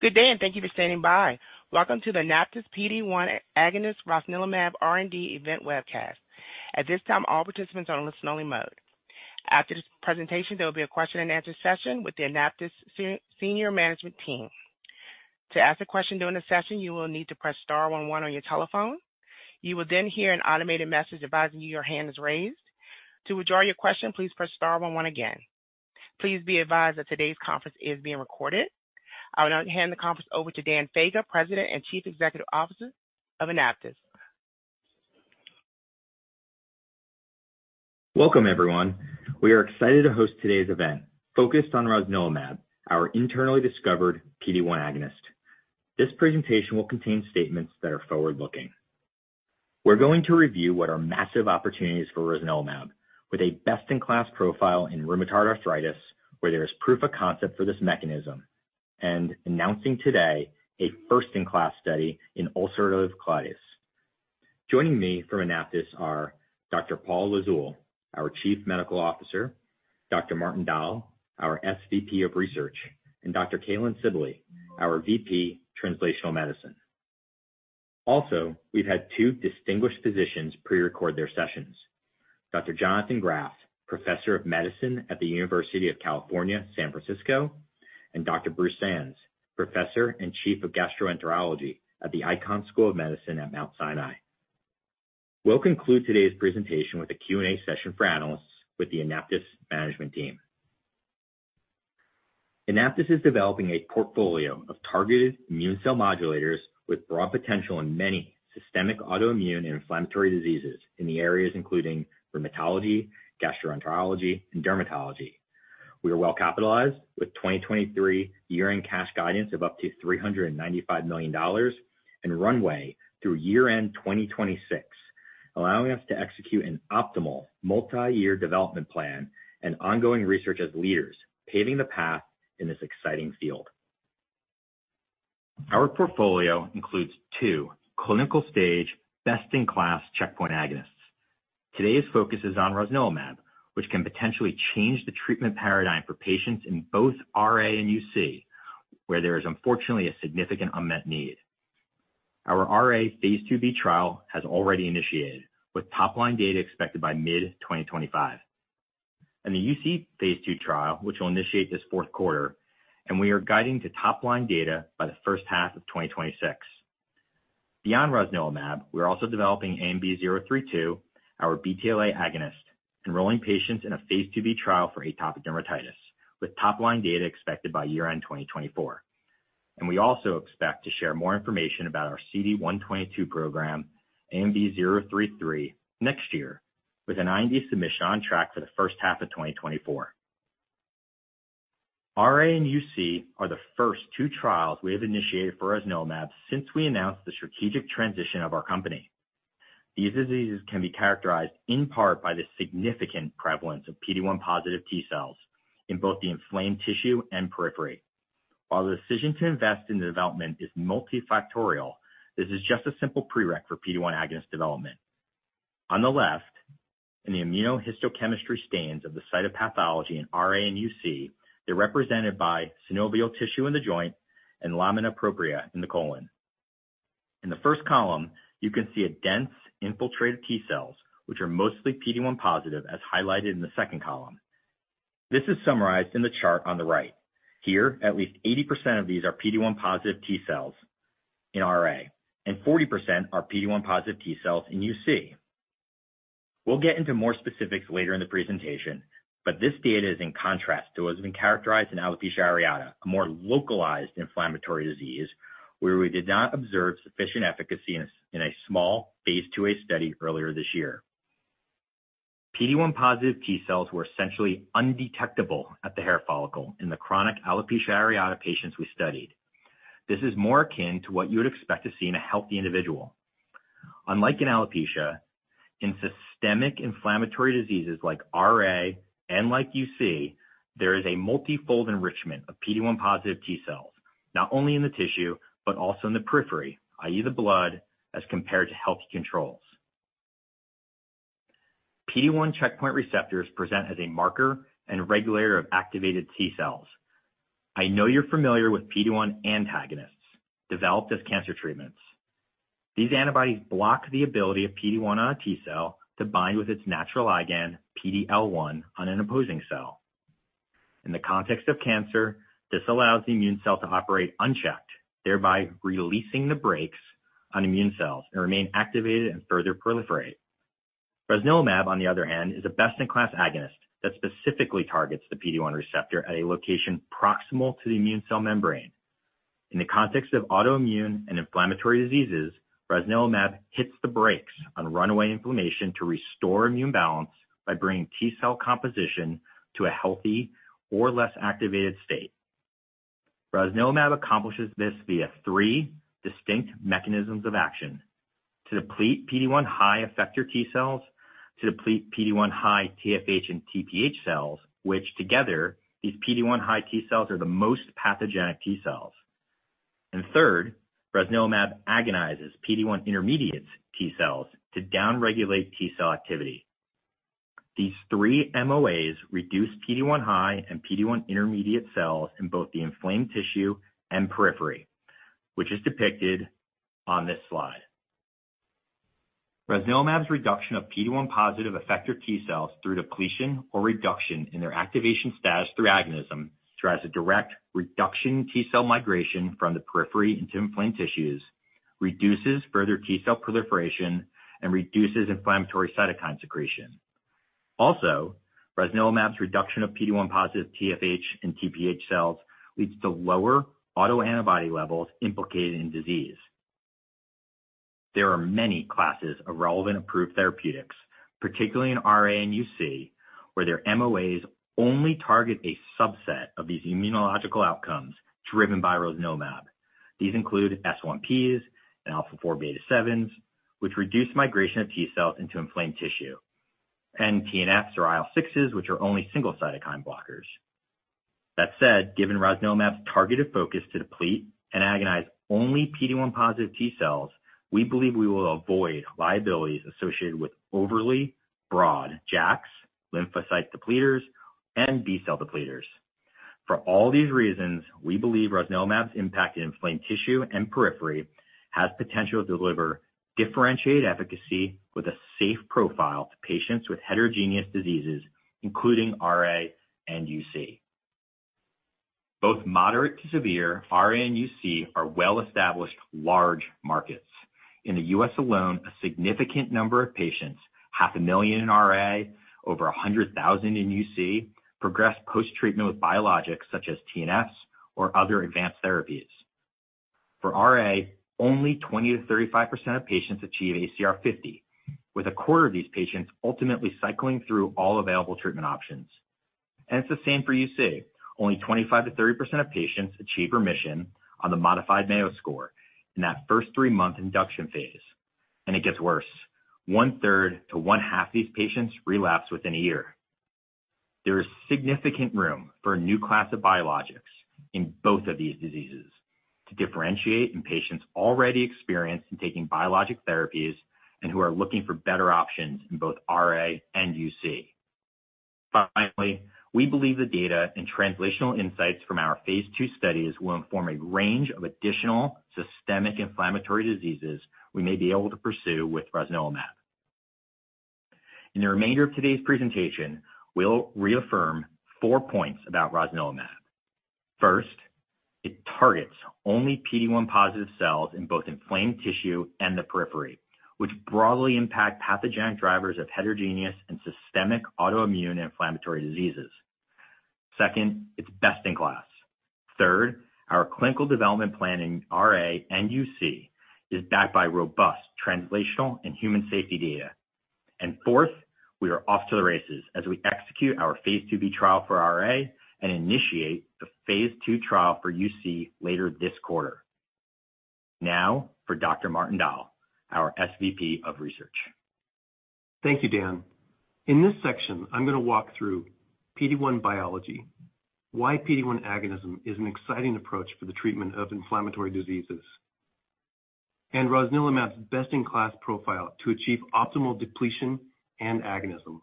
Good day, and thank you for standing by. Welcome to the Anaptys PD-1 Agonist rosnilimab R&D event webcast. At this time, all participants are on listen-only mode. After this presentation, there will be a question-and-answer session with the Anaptys senior management team. To ask a question during the session, you will need to press star one one on your telephone. You will then hear an automated message advising you your hand is raised. To withdraw your question, please press star one one again. Please be advised that today's conference is being recorded. I will now hand the conference over to Daniel Faga, President and Chief Executive Officer of Anaptys. Welcome, everyone. We are excited to host today's event focused on rosnilimab, our internally discovered PD-1 agonist. This presentation will contain statements that are forward-looking. We're going to review what are massive opportunities for rosnilimab, with a best-in-class profile in rheumatoid arthritis, where there is proof of concept for this mechanism, and announcing today a first-in-class study in ulcerative colitis. Joining me from Anaptys are Dr. Paul Lizzul, our Chief Medical Officer, Dr. Martin Dahl, our SVP of Research, and Dr. Cailin Sibley, our VP Translational Medicine. We've had two distinguished physicians pre-record their sessions: Dr. Jonathan Graf, Professor of Medicine at the University of California, San Francisco, and Dr. Bruce Sands, Professor and Chief of Gastroenterology at the Icahn School of Medicine at Mount Sinai. We'll conclude today's presentation with a Q&A session for analysts with the Anaptys management team. Anaptys is developing a portfolio of targeted immune cell modulators with broad potential in many systemic autoimmune and inflammatory diseases in the areas including rheumatology, gastroenterology, and dermatology. We are well capitalized, with 2023 year-end cash guidance of up to $395 million and runway through year-end 2026, allowing us to execute an optimal multiyear development plan and ongoing research as leaders, paving the path in this exciting field. Our portfolio includes two clinical-stage, best-in-class checkpoint agonists. Today's focus is on rosnilimab, which can potentially change the treatment paradigm for patients in both RA and UC, where there is unfortunately a significant unmet need. Our RA phase 2b trial has already initiated, with top-line data expected by mid-2025. The UC phase 2 trial, which will initiate this fourth quarter, and we are guiding to top-line data by the first half of 2026. Beyond rosnilimab, we're also developing ANB032, our BTLA agonist, enrolling patients in a phase 2b trial for atopic dermatitis, with top-line data expected by year-end 2024. We also expect to share more information about our CD122 program, ANB033, next year, with an IND submission on track for the first half of 2024. RA and UC are the first two trials we have initiated for rosnilimab since we announced the strategic transition of our company. These diseases can be characterized in part by the significant prevalence of PD-1 positive T-cells in both the inflamed tissue and periphery. While the decision to invest in the development is multifactorial, this is just a simple prerequisite for PD-1 agonist development. On the left, in the immunohistochemistry stains of the cytopathology in RA and UC, they're represented by synovial tissue in the joint and lamina propria in the colon. In the first column, you can see a dense infiltrated T cells, which are mostly PD-L1 positive, as highlighted in the second column. This is summarized in the chart on the right. Here, at least 80% are PD-1 positive T cells in RA, and 40% are PD-1 positive T cells in UC. We'll get into more specifics later in the presentation, but this data is in contrast to what has been characterized in alopecia areata, a more localized inflammatory disease, where we did not observe sufficient efficacy in a small phase 2a study earlier this year. PD-1 positive T-cells were essentially undetectable at the hair follicle in the chronic alopecia areata patients we studied. This is more akin to what you would expect to see in a healthy individual. Unlike in alopecia, in systemic inflammatory diseases like RA and like UC, there is a multifold enrichment of PD-1 positive T-cells, not only in the tissue but also in the periphery, i.e., the blood, as compared to healthy controls. PD-1 checkpoint receptors present as a marker and regulator of activated T-cells. I know you're familiar with PD-1 antagonists developed as cancer treatments. These antibodies block the ability of PD-1 on a T-cell to bind with its natural ligand, PD-L1, on an opposing cell. In the context of cancer, this allows the immune cell to operate unchecked, thereby releasing the brakes on immune cells and remain activated and further proliferate. Rosnilimab, on the other hand, is a best-in-class agonist that specifically targets the PD-1 receptor at a location proximal to the immune cell membrane. In the context of autoimmune and inflammatory diseases, rosnilimab hits the brakes on runaway inflammation to restore immune balance by bringing T-cell composition to a healthy or less-activated state. Rosnilimab accomplishes this via three distinct mechanisms of action: to deplete PD-1 high effector T cells, to deplete PD-1 high TFH and TPH cells, which together, these PD-1 high T cells are the most pathogenic T cells. And third, rosnilimab agonizes PD-1 intermediate T cells to downregulate T cell activity. These three MOAs reduce PD-1 high and PD-1 intermediate cells in both the inflamed tissue and periphery, which is depicted on this slide. Rosnilimab's reduction of PD-1 positive effector T cells through depletion or reduction in their activation status through agonism drives a direct reduction in T-cell migration from the periphery into inflamed tissues, reduces further T cell proliferation, and reduces inflammatory cytokine secretion. Also, rosnilimab's reduction of PD-1 positive TFH and TPH cells leads to lower autoantibody levels implicated in disease. There are many classes of relevant approved therapeutics, particularly in RA and UC, where their MOAs only target a subset of these immunological outcomes driven by rosnilimab. These include S1Ps and alpha-4-beta-7s, which reduce migration of T cells into inflamed tissue, and TNFs or IL-6s, which are only single cytokine blockers. That said, given rosnilimab's targeted focus to deplete and agonize only PD-1 positive T cells, we believe we will avoid liabilities associated with overly broad JAKs, lymphocyte depleters, and B-cell depleters. For all these reasons, we believe rosnilimab's impact in inflamed tissue and periphery has potential to deliver differentiated efficacy with a safe profile to patients with heterogeneous diseases, including RA and UC. Both moderate to severe RA and UC are well-established large markets. In the U.S. alone, a significant number of patients, 500,000 in RA, over 100,000 in UC, progress post-treatment with biologics such as TNFs or other advanced therapies. For RA, only 20% to 35% of patients achieve ACR 50, with a quarter of these patients ultimately cycling through all available treatment options. It's the same for UC. Only 25% to 30% of patients achieve remission on the modified Mayo score in that first three month induction phase, and it gets worse. One-third to one-half of these patients relapse within a year. There is significant room for a new class of biologics in both of these diseases to differentiate in patients already experienced in taking biologic therapies and who are looking for better options in both RA and UC. Finally, we believe the data and translational insights from our phase 2 studies will inform a range of additional systemic inflammatory diseases we may be able to pursue with rosnilimab. In the remainder of today's presentation, we'll reaffirm 4 points about rosnilimab. First, it targets only PD-1 positive cells in both inflamed tissue and the periphery, which broadly impact pathogenic drivers of heterogeneous and systemic autoimmune inflammatory diseases. Second, it's best in class. Third, our clinical development plan in RA and UC is backed by robust translational and human safety data. And fourth, we are off to the races as we execute our phase 2b trial for RA and initiate the phase 2 trial for UC later this quarter. Now, for Dr. Martin Dahl, our SVP of Research. Thank you, Dan. In this section, I'm going to walk through PD-1 biology, why PD-1 agonism is an exciting approach for the treatment of inflammatory diseases, and rosnilimab's best-in-class profile to achieve optimal depletion and agonism.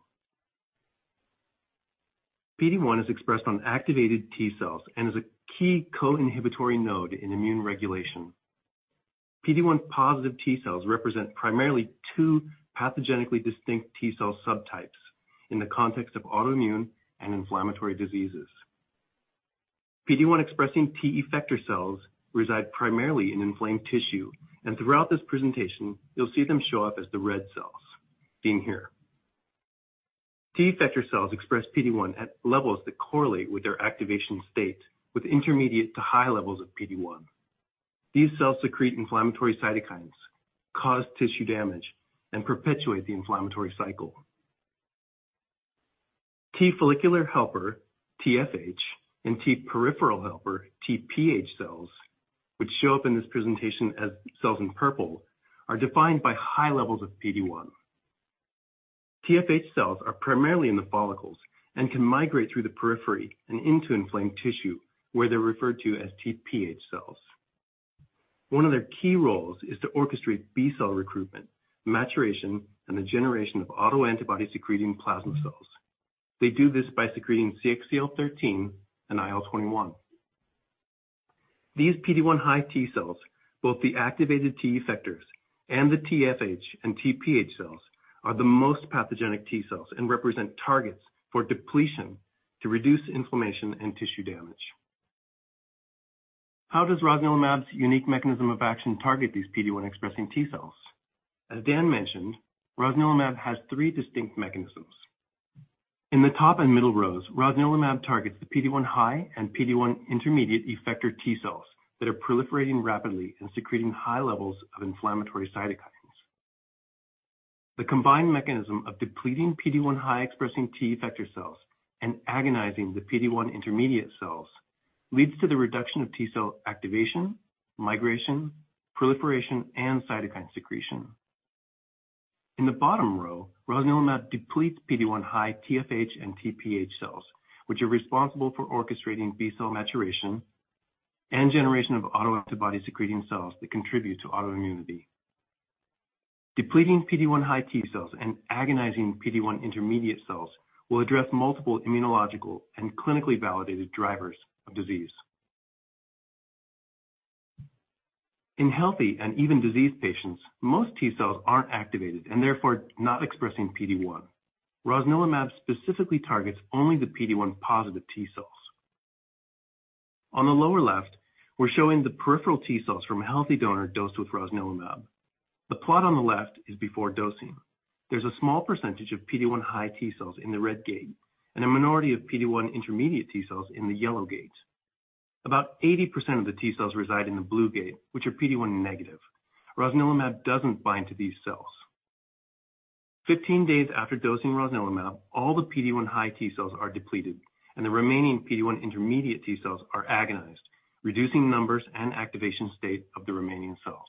PD-1 is expressed on activated T cells and is a key co-inhibitory node in immune regulation. PD-1 positive T cells represent primarily two pathogenically distinct T cell subtypes in the context of autoimmune and inflammatory diseases. PD-1-expressing T effector cells reside primarily in inflamed tissue, and throughout this presentation, you'll see them show up as the red cells, seen here. T effector cells express PD-1 at levels that correlate with their activation state, with intermediate to high levels of PD-1. These cells secrete inflammatory cytokines, cause tissue damage, and perpetuate the inflammatory cycle. T follicular helper, TFH, and T peripheral helper, TPH cells, which show up in this presentation as cells in purple, are defined by high levels of PD-1. TFH cells are primarily in the follicles and can migrate through the periphery and into inflamed tissue, where they're referred to as TPH cells. One of their key roles is to orchestrate B-cell recruitment, maturation, and the generation of autoantibody-secreting plasma cells. They do this by secreting CXCL13 and IL-21. These PD-1 high T cells, both the activated T effectors and the TFH and TPH cells, are the most pathogenic T cells and represent targets for depletion to reduce inflammation and tissue damage. How does rosnilimab's unique mechanism of action target these PD-1-expressing T cells? As Dan mentioned, rosnilimab has three distinct mechanisms. In the top and middle rows, rosnilimab targets the PD-1 high and PD-1 intermediate effector T cells that are proliferating rapidly and secreting high levels of inflammatory cytokines. The combined mechanism of depleting PD-1 high-expressing T effector cells and agonizing the PD-1 intermediate cells leads to the reduction of T cell activation, migration, proliferation, and cytokine secretion. In the bottom row, rosnilimab depletes PD-1 high TFH and TPH cells, which are responsible for orchestrating B-cell maturation and generation of autoantibody secreting cells that contribute to autoimmunity. Depleting PD-1 high T cells and agonizing PD-1 intermediate cells will address multiple immunological and clinically validated drivers of disease. In healthy and even diseased patients, most T cells aren't activated and therefore not expressing PD-1. Rosnilimab specifically targets only the PD-1 positive T cells. On the lower left, we're showing the peripheral T cells from a healthy donor dosed with rosnilimab. The plot on the left is before dosing. There's a small percentage of PD-1 high T cells in the red gate, and a minority of PD-1 intermediate T cells in the yellow gate. About 80% of the T cells reside in the blue gate, which are PD-1 negative. Rosnilimab doesn't bind to these cells. 15 days after dosing rosnilimab, all the PD-1 high T cells are depleted, and the remaining PD-1 intermediate T cells are agonized, reducing numbers and activation state of the remaining cells.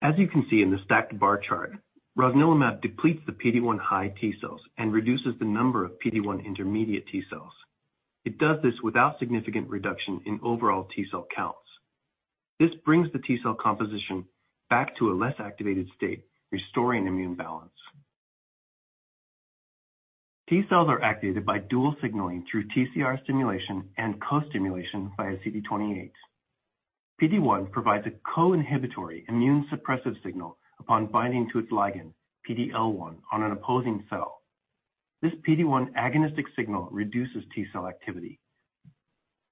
As you can see in the stacked bar chart, rosnilimab depletes the PD-1 high T cells and reduces the number of PD-1 intermediate T cells. It does this without significant reduction in overall T cell counts. This brings the T cell composition back to a less activated state, restoring immune balance. T cells are activated by dual signaling through TCR stimulation and co-stimulation via CD28. PD-1 provides a co-inhibitory immune suppressive signal upon binding to its ligand, PD-L1, on an opposing cell. This PD-1 agonistic signal reduces T cell activity.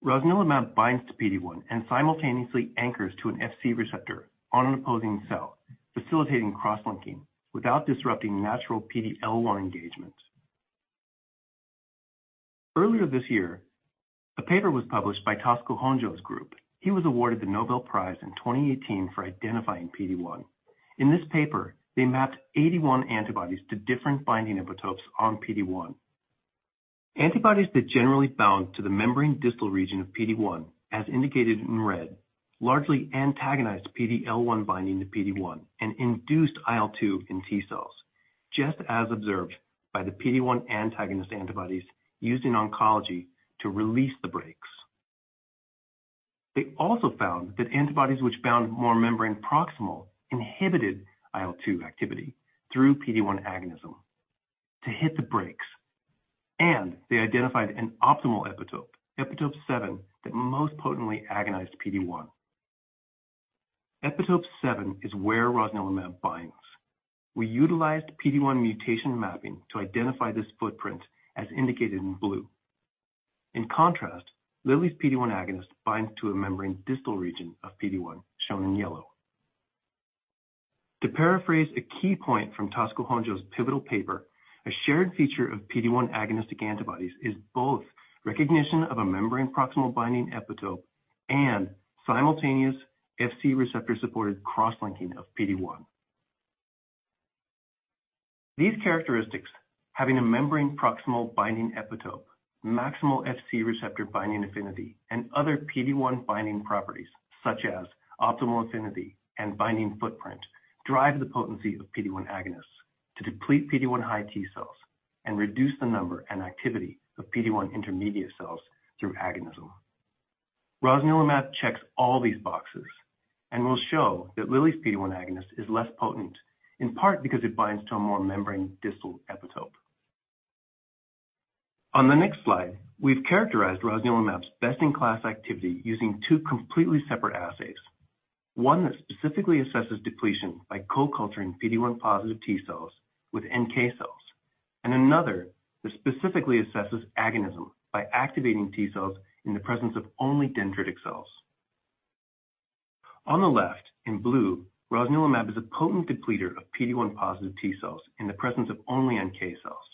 Rosnilimab binds to PD-1 and simultaneously anchors to an FC receptor on an opposing cell, facilitating cross-linking without disrupting natural PD-L1 engagement. Earlier this year, a paper was published by Tasuku Honjo's group. He was awarded the Nobel Prize in 2018 for identifying PD-1. In this paper, they mapped 81 antibodies to different binding epitopes on PD-1. Antibodies that generally bound to the membrane distal region of PD-1, as indicated in red, largely antagonized PD-L1 binding to PD-1 and induced IL-2 in T cells, just as observed by the PD-1 antagonist antibodies used in oncology to release the brakes. They also found that antibodies which bound more membrane proximal inhibited IL-2 activity through PD-1 agonism to hit the brakes, and they identified an optimal epitope, epitope seven, that most potently agonized PD-1. Epitope seven is where rosnilimab binds. We utilized PD-1 mutation mapping to identify this footprint, as indicated in blue. In contrast, Lilly's PD-1 agonist binds to a membrane distal region of PD-1, shown in yellow. To paraphrase a key point from Tasuku Honjo's pivotal paper, a shared feature of PD-1 agonistic antibodies is both recognition of a membrane proximal binding epitope and simultaneous FC receptor-supported cross-linking of PD-1. These characteristics, having a membrane proximal binding epitope, maximal FC receptor binding affinity, and other PD-1 binding properties, such as optimal affinity and binding footprint, drive the potency of PD-1 agonists to deplete PD-1 high T cells and reduce the number and activity of PD-1 intermediate cells through agonism. Rosnilimab checks all these boxes and will show that Lilly's PD-1 agonist is less potent, in part because it binds to a more membrane distal epitope. On the next slide, we've characterized rosnilimab's best-in-class activity using two completely separate assays. One that specifically assesses depletion by co-culturing PD-1 positive T cells with NK cells, and another that specifically assesses agonism by activating T cells in the presence of only dendritic cells. On the left, in blue, rosnilimab is a potent depleter of PD-1 positive T cells in the presence of only NK cells.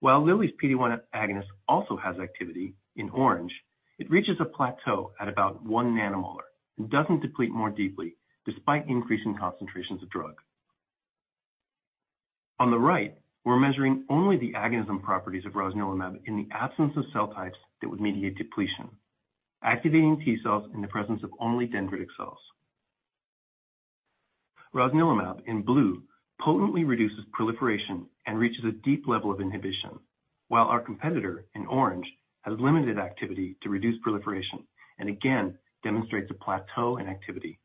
While Lilly's PD-1 agonist also has activity, in orange, it reaches a plateau at about 1 nanomolar and doesn't deplete more deeply, despite increasing concentrations of drug. On the right, we're measuring only the agonism properties of rosnilimab in the absence of cell types that would mediate depletion, activating T cells in the presence of only dendritic cells. Rosnilimab, in blue, potently reduces proliferation and reaches a deep level of inhibition, while our competitor, in orange, has limited activity to reduce proliferation and again demonstrates a plateau in activity.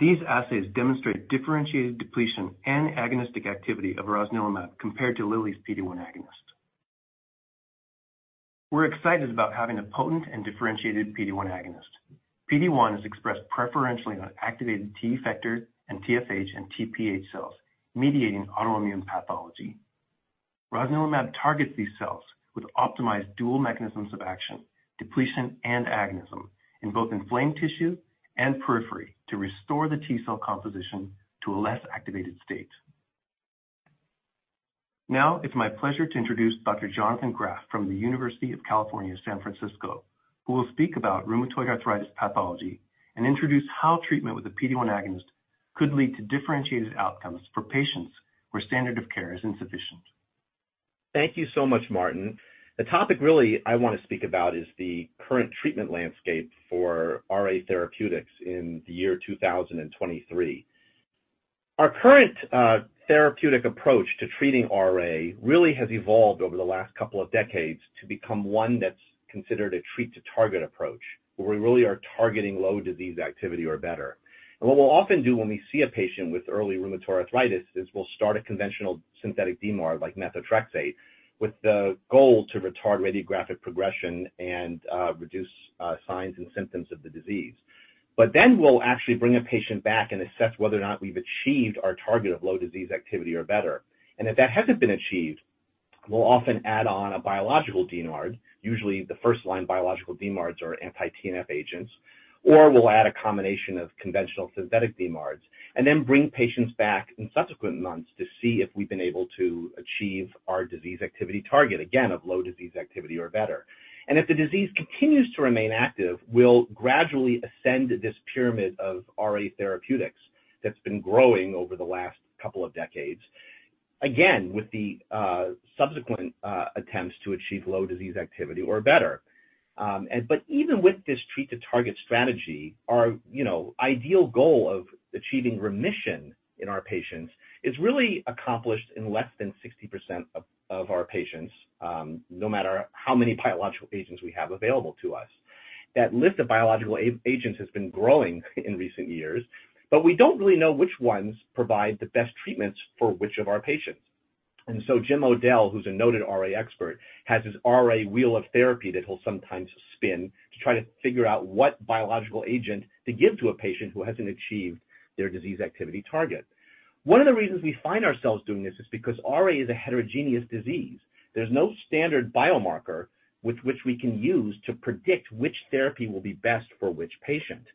These assays demonstrate differentiated depletion and agonistic activity of rosnilimab compared to Lilly's PD-1 agonist. We're excited about having a potent and differentiated PD-1 agonist. PD-1 is expressed preferentially on activated T effector and TFH and TPH cells, mediating autoimmune pathology. Rosnilimab targets these cells with optimized dual mechanisms of action, depletion and agonism, in both inflamed tissue and periphery to restore the T cell composition to a less activated state. Now, it's my pleasure to introduce Dr. Jonathan Graf from the University of California, San Francisco, who will speak about rheumatoid arthritis pathology and introduce how treatment with a PD-1 agonist could lead to differentiated outcomes for patients where standard of care is insufficient. Thank you so much, Martin. The topic really I want to speak about is the current treatment landscape for RA therapeutics in the year 2023. Our current therapeutic approach to treating RA really has evolved over the last couple of decades to become one that's considered a treat-to-target approach, where we really are targeting low disease activity or better. And what we'll often do when we see a patient with early rheumatoid arthritis, is we'll start a conventional synthetic DMARD, like methotrexate, with the goal to retard radiographic progression and reduce signs and symptoms of the disease. But then we'll actually bring a patient back and assess whether or not we've achieved our target of low disease activity or better. And if that hasn't been achieved, we'll often add on a biological DMARD. Usually, the first-line biological DMARDs are anti-TNF agents, or we'll add a combination of conventional synthetic DMARDs, and then bring patients back in subsequent months to see if we've been able to achieve our disease activity target, again, of low disease activity or better. And if the disease continues to remain active, we'll gradually ascend this pyramid of RA therapeutics that's been growing over the last couple of decades, again, with the subsequent attempts to achieve low disease activity or better. Even with this treat-to-target strategy, you know, our ideal goal of achieving remission in our patients is really accomplished in less than 60% of our patients, no matter how many biological agents we have available to us. That list of biological agents has been growing in recent years, but we don't really know which ones provide the best treatments for which of our patients. And so Jim O'Dell, who's a noted RA expert, has this RA wheel of therapy that he'll sometimes spin to try to figure out what biological agent to give to a patient who hasn't achieved their disease activity target. One of the reasons we find ourselves doing this is because RA is a heterogeneous disease. There's no standard biomarker with which we can use to predict which therapy will be best for which patient.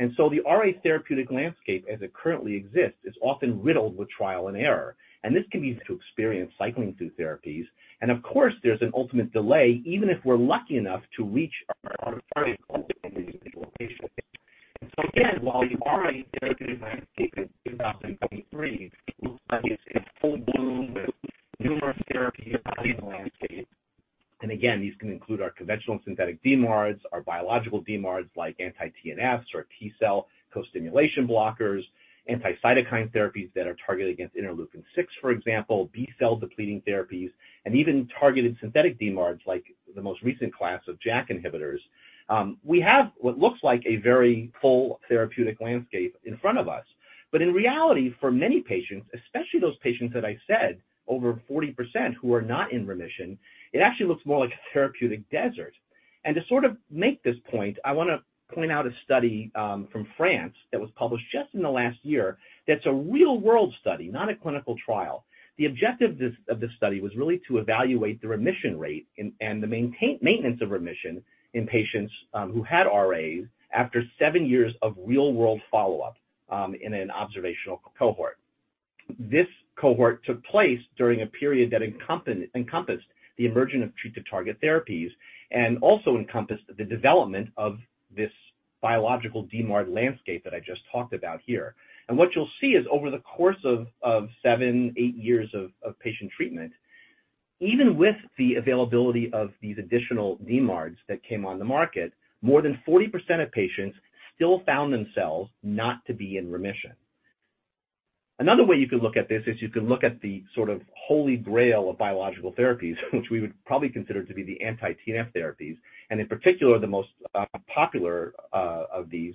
And so the RA therapeutic landscape, as it currently exists, is often riddled with trial and error, and this can be to experience cycling through therapies. And of course, there's an ultimate delay, even if we're lucky enough to reach our target in the individual patient. So again, while the RA therapeutic landscape in 2023 looks like it's in full bloom, with numerous therapies out in the landscape, and again, these can include our conventional synthetic DMARDs, our biological DMARDs, like anti-TNFs or T-cell co-stimulation blockers, anti-cytokine therapies that are targeted against interleukin-6, for example, B-cell depleting therapies, and even targeted synthetic DMARDs, like the most recent class of JAK inhibitors. We have what looks like a very full therapeutic landscape in front of us. But in reality, for many patients, especially those patients that I said, over 40% who are not in remission, it actually looks more like a therapeutic desert. And to sort of make this point, I want to point out a study from France, that was published just in the last year. That's a real-world study, not a clinical trial. The objective of this study was really to evaluate the remission rate and the maintenance of remission in patients who had RAs after 7 years of real-world follow-up in an observational cohort. This cohort took place during a period that encompassed the emergence of treat-to-target therapies, and also encompassed the development of this biological DMARD landscape that I just talked about here. And what you'll see is over the course of 7-8 years of patient treatment, even with the availability of these additional DMARDs that came on the market, more than 40% of patients still found themselves not to be in remission. Another way you could look at this is you could look at the sort of holy grail of biological therapies, which we would probably consider to be the anti-TNF therapies, and in particular, the most popular of these,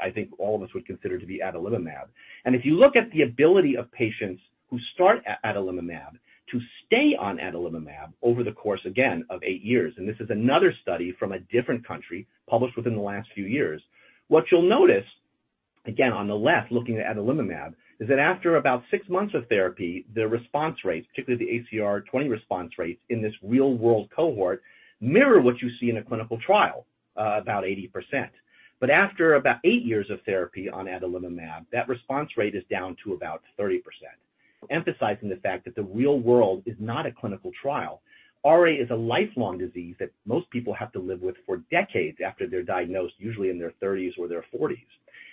I think all of us would consider to be adalimumab. And if you look at the ability of patients who start adalimumab to stay on adalimumab over the course, again, of 8 years, and this is another study from a different country, published within the last few years. What you'll notice, again, on the left, looking at adalimumab, is that after about 6 months of therapy, the response rates, particularly the ACR20 response rates in this real-world cohort, mirror what you see in a clinical trial, about 80%. But after about 8 years of therapy on adalimumab, that response rate is down to about 30%, emphasizing the fact that the real world is not a clinical trial. RA is a lifelong disease that most people have to live with for decades after they're diagnosed, usually in their thirties or their forties.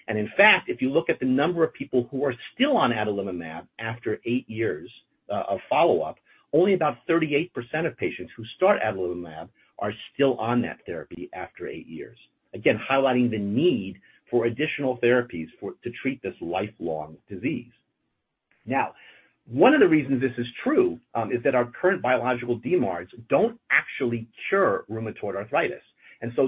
And in fact, if you look at the number of people who are still on adalimumab after 8 years of follow-up, only about 38% of patients who start adalimumab are still on that therapy after 8 years. Again, highlighting the need for additional therapies for, to treat this lifelong disease. Now, one of the reasons this is true, is that our current biological DMARDs don't actually cure rheumatoid arthritis.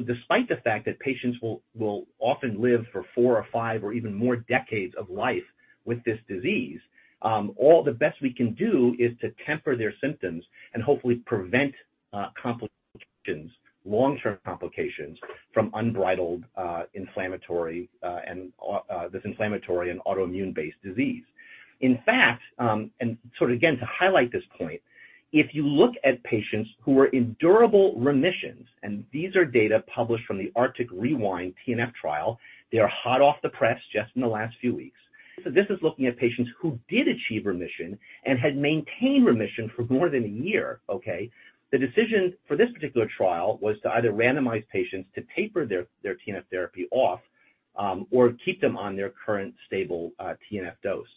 Despite the fact that patients will often live for 4 or 5 or even more decades of life with this disease, all the best we can do is to temper their symptoms and hopefully prevent complications, long-term complications from unbridled inflammatory and this inflammatory and autoimmune-based disease. In fact, again, to highlight this point, if you look at patients who are in durable remissions, and these are data published from the Arctic Rewind TNF trial, they are hot off the press just in the last few weeks. This is looking at patients who did achieve remission and had maintained remission for more than a year, okay? The decision for this particular trial was to either randomize patients to taper their TNF therapy off or keep them on their current stable TNF dose.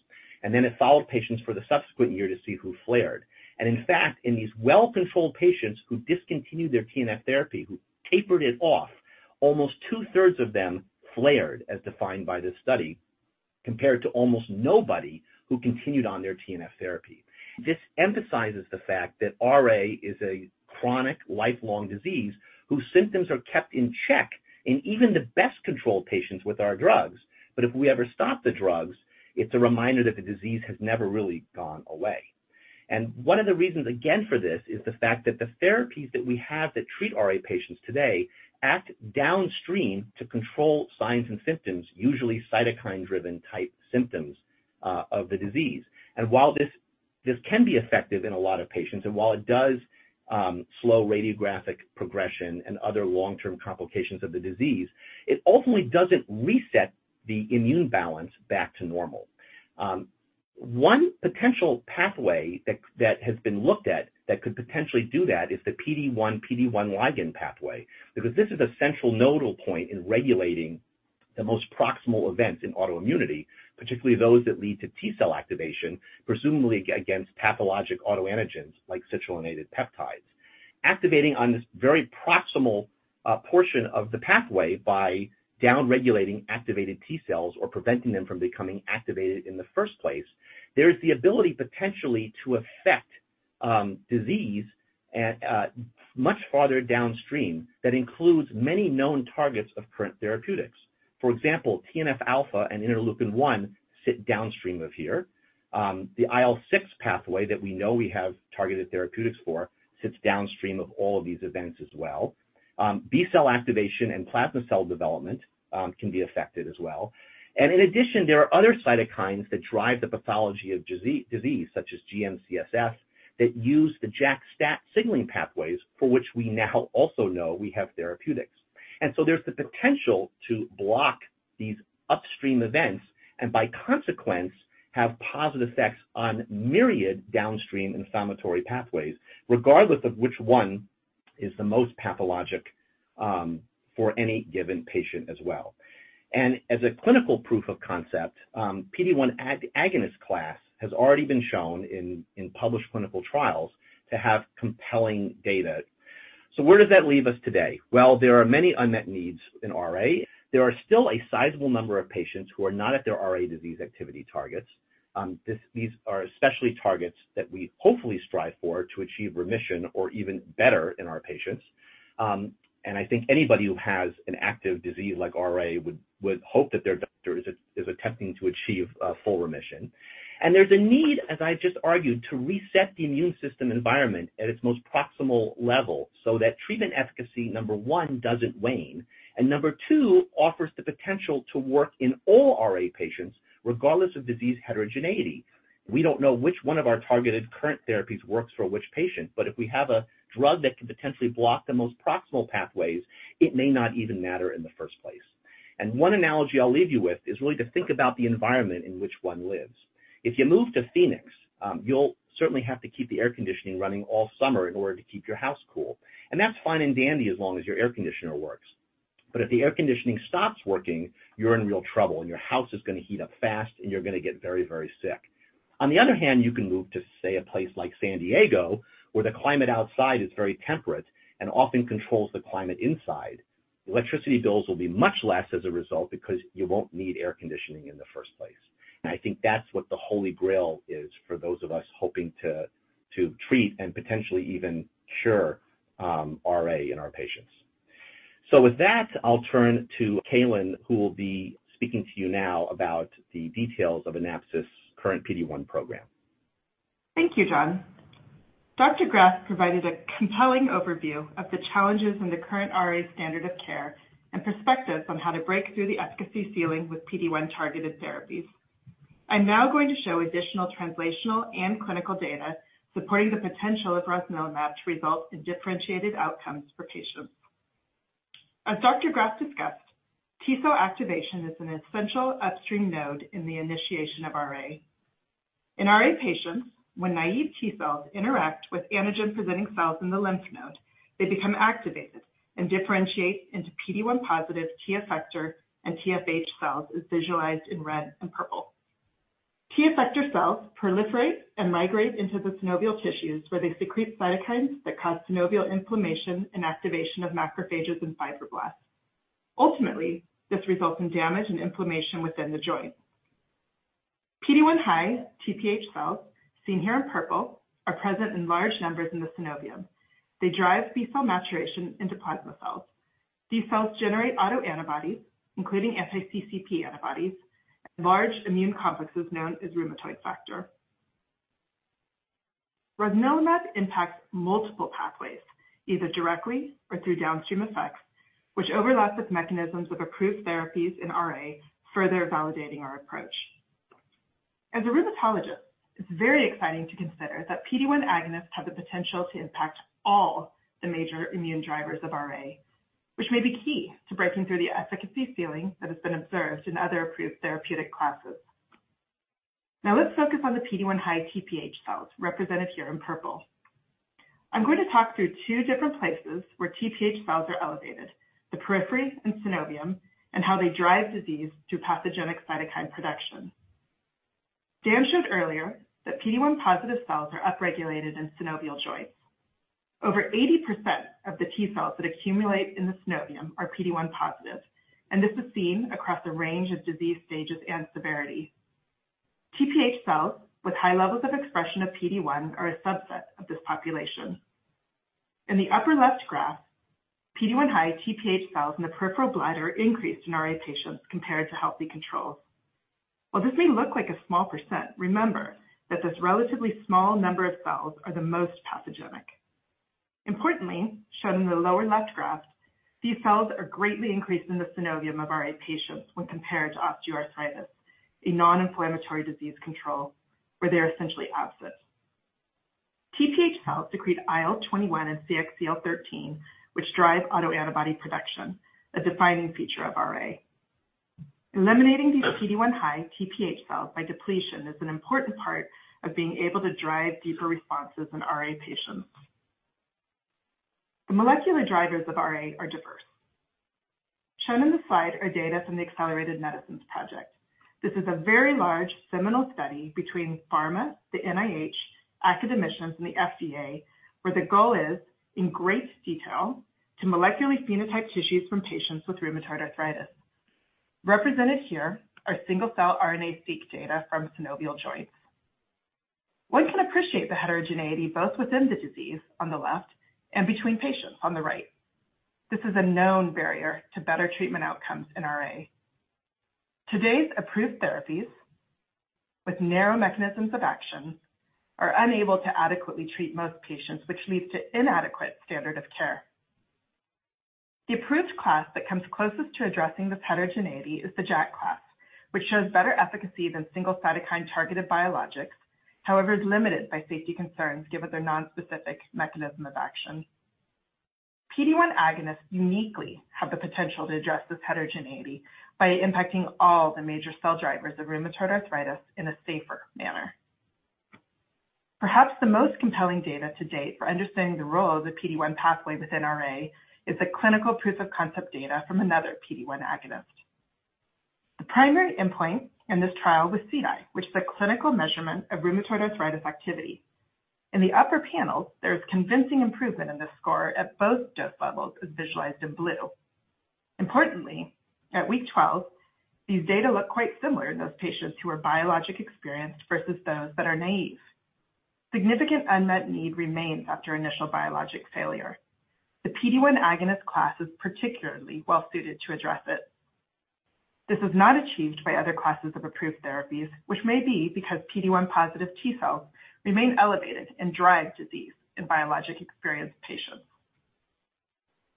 It followed patients for the subsequent year to see who flared. In fact, in these well-controlled patients who discontinued their TNF therapy, who tapered it off. Almost 2/3 of them flared, as defined by this study, compared to almost nobody who continued on their TNF therapy. This emphasizes the fact that RA is a chronic, lifelong disease, whose symptoms are kept in check in even the best-controlled patients with our drugs. But if we ever stop the drugs, it's a reminder that the disease has never really gone away. One of the reasons, again, for this, is the fact that the therapies that we have that treat RA patients today act downstream to control signs and symptoms, usually cytokine-driven type symptoms, of the disease. While this can be effective in a lot of patients, and while it does slow radiographic progression and other long-term complications of the disease, it ultimately doesn't reset the immune balance back to normal. One potential pathway that has been looked at that could potentially do that is the PD-1, PD-L1 ligand pathway. Because this is a central nodal point in regulating the most proximal events in autoimmunity, particularly those that lead to T cell activation, presumably against pathologic autoantigens, like citrullinated peptides. Activating on this very proximal portion of the pathway by downregulating activated T cells or preventing them from becoming activated in the first place, there is the ability potentially to affect disease at much farther downstream that includes many known targets of current therapeutics. For example, TNF-alpha and interleukin-1 sit downstream of here. The IL-6 pathway that we know we have targeted therapeutics for sits downstream of all of these events as well. B cell activation and plasma cell development can be affected as well. And in addition, there are other cytokines that drive the pathology of disease, such as GM-CSF, that use the JAK-STAT signaling pathways, for which we now also know we have therapeutics. And so there's the potential to block these upstream events and, by consequence, have positive effects on myriad downstream inflammatory pathways, regardless of which one is the most pathologic for any given patient as well. And as a clinical proof of concept, PD-1 agonist class has already been shown in published clinical trials to have compelling data. So where does that leave us today? Well, there are many unmet needs in RA. There are still a sizable number of patients who are not at their RA disease activity targets. These are especially targets that we hopefully strive for to achieve remission or even better in our patients. And I think anybody who has an active disease like RA would hope that their doctor is attempting to achieve full remission. And there's a need, as I just argued, to reset the immune system environment at its most proximal level, so that treatment efficacy, number one, doesn't wane. And number two, offers the potential to work in all RA patients, regardless of disease heterogeneity. We don't know which one of our targeted current therapies works for which patient, but if we have a drug that can potentially block the most proximal pathways, it may not even matter in the first place. One analogy I'll leave you with is really to think about the environment in which one lives. If you move to Phoenix, you'll certainly have to keep the air conditioning running all summer in order to keep your house cool. That's fine and dandy as long as your air conditioner works. If the air conditioning stops working, you're in real trouble, and your house is going to heat up fast, and you're going to get very, very sick. On the other hand, you can move to, say, a place like San Diego, where the climate outside is very temperate and often controls the climate inside. Electricity bills will be much less as a result because you won't need air conditioning in the first place. I think that's what the Holy Grail is for those of us hoping to treat and potentially even cure RA in our patients. So with that, I'll turn to Cailin, who will be speaking to you now about the details of Anaptys' current PD-1 program. Thank you, John. Dr. Graf provided a compelling overview of the challenges in the current RA standard of care and perspectives on how to break through the efficacy ceiling with PD-1-targeted therapies. I'm now going to show additional translational and clinical data supporting the potential of rosnilimab to result in differentiated outcomes for patients. As Dr. Graf discussed, T cell activation is an essential upstream node in the initiation of RA. In RA patients, when naive T cells interact with antigen-presenting cells in the lymph node, they become activated and differentiate into PD-1 positive T effector and TFH cells, as visualized in red and purple. T effector cells proliferate and migrate into the synovial tissues, where they secrete cytokines that cause synovial inflammation and activation of macrophages and fibroblasts. Ultimately, this results in damage and inflammation within the joint. PD-1 high TPH cells, seen here in purple, are present in large numbers in the synovium. They drive B cell maturation into plasma cells. These cells generate autoantibodies, including anti-CCP antibodies, and large immune complexes known as rheumatoid factor. Rosnilimab impacts multiple pathways, either directly or through downstream effects, which overlaps with mechanisms of approved therapies in RA, further validating our approach. As a rheumatologist, it's very exciting to consider that PD-1 agonists have the potential to impact all the major immune drivers of RA, which may be key to breaking through the efficacy ceiling that has been observed in other approved therapeutic classes. Now, let's focus on the PD-1 high TPH cells, represented here in purple. I'm going to talk through two different places where TPH cells are elevated, the periphery and synovium, and how they drive disease through pathogenic cytokine production. Dan showed earlier that PD-1 positive cells are upregulated in synovial joints. Over 80% of the T cells that accumulate in the synovium are PD-1 positive, and this is seen across a range of disease stages and severity. TPH cells with high levels of expression of PD-1 are a subset of this population. In the upper left graph, PD-1 high TPH cells in the peripheral blood increased in our patients compared to healthy controls. While this may look like a small %, remember that this relatively small number of cells are the most pathogenic. Importantly, shown in the lower left graph, these cells are greatly increased in the synovium of our patients when compared to osteoarthritis, a non-inflammatory disease control, where they are essentially absent. TPH cells secrete IL-21 and CXCL13, which drive autoantibody production, a defining feature of RA. Eliminating these PD-1 high TPH cells by depletion is an important part of being able to drive deeper responses in RA patients. The molecular drivers of RA are diverse. Shown in the slide are data from the Accelerated Medicines Project. This is a very large seminal study between pharma, the NIH, academicians, and the FDA, where the goal is, in great detail, to molecularly phenotype tissues from patients with rheumatoid arthritis. Represented here are single-cell RNA-seq data from synovial joints. One can appreciate the heterogeneity, both within the disease on the left and between patients on the right. This is a known barrier to better treatment outcomes in RA. Today's approved therapies with narrow mechanisms of action are unable to adequately treat most patients, which leads to inadequate standard of care. The approved class that comes closest to addressing this heterogeneity is the JAK class, which shows better efficacy than single cytokine-targeted biologics, however, is limited by safety concerns given their nonspecific mechanism of action. PD-1 agonists uniquely have the potential to address this heterogeneity by impacting all the major cell drivers of rheumatoid arthritis in a safer manner. Perhaps the most compelling data to date for understanding the role of the PD-1 pathway within RA is the clinical proof of concept data from another PD-1 agonist. The primary endpoint in this trial was CDAI, which is a clinical measurement of rheumatoid arthritis activity. In the upper panel, there is convincing improvement in this score at both dose levels, as visualized in blue. Importantly, at week 12, these data look quite similar in those patients who are biologic experienced versus those that are naive. Significant unmet need remains after initial biologic failure. The PD-1 agonist class is particularly well suited to address it. This is not achieved by other classes of approved therapies, which may be because PD-1 positive T cells remain elevated and drive disease in biologic experienced patients.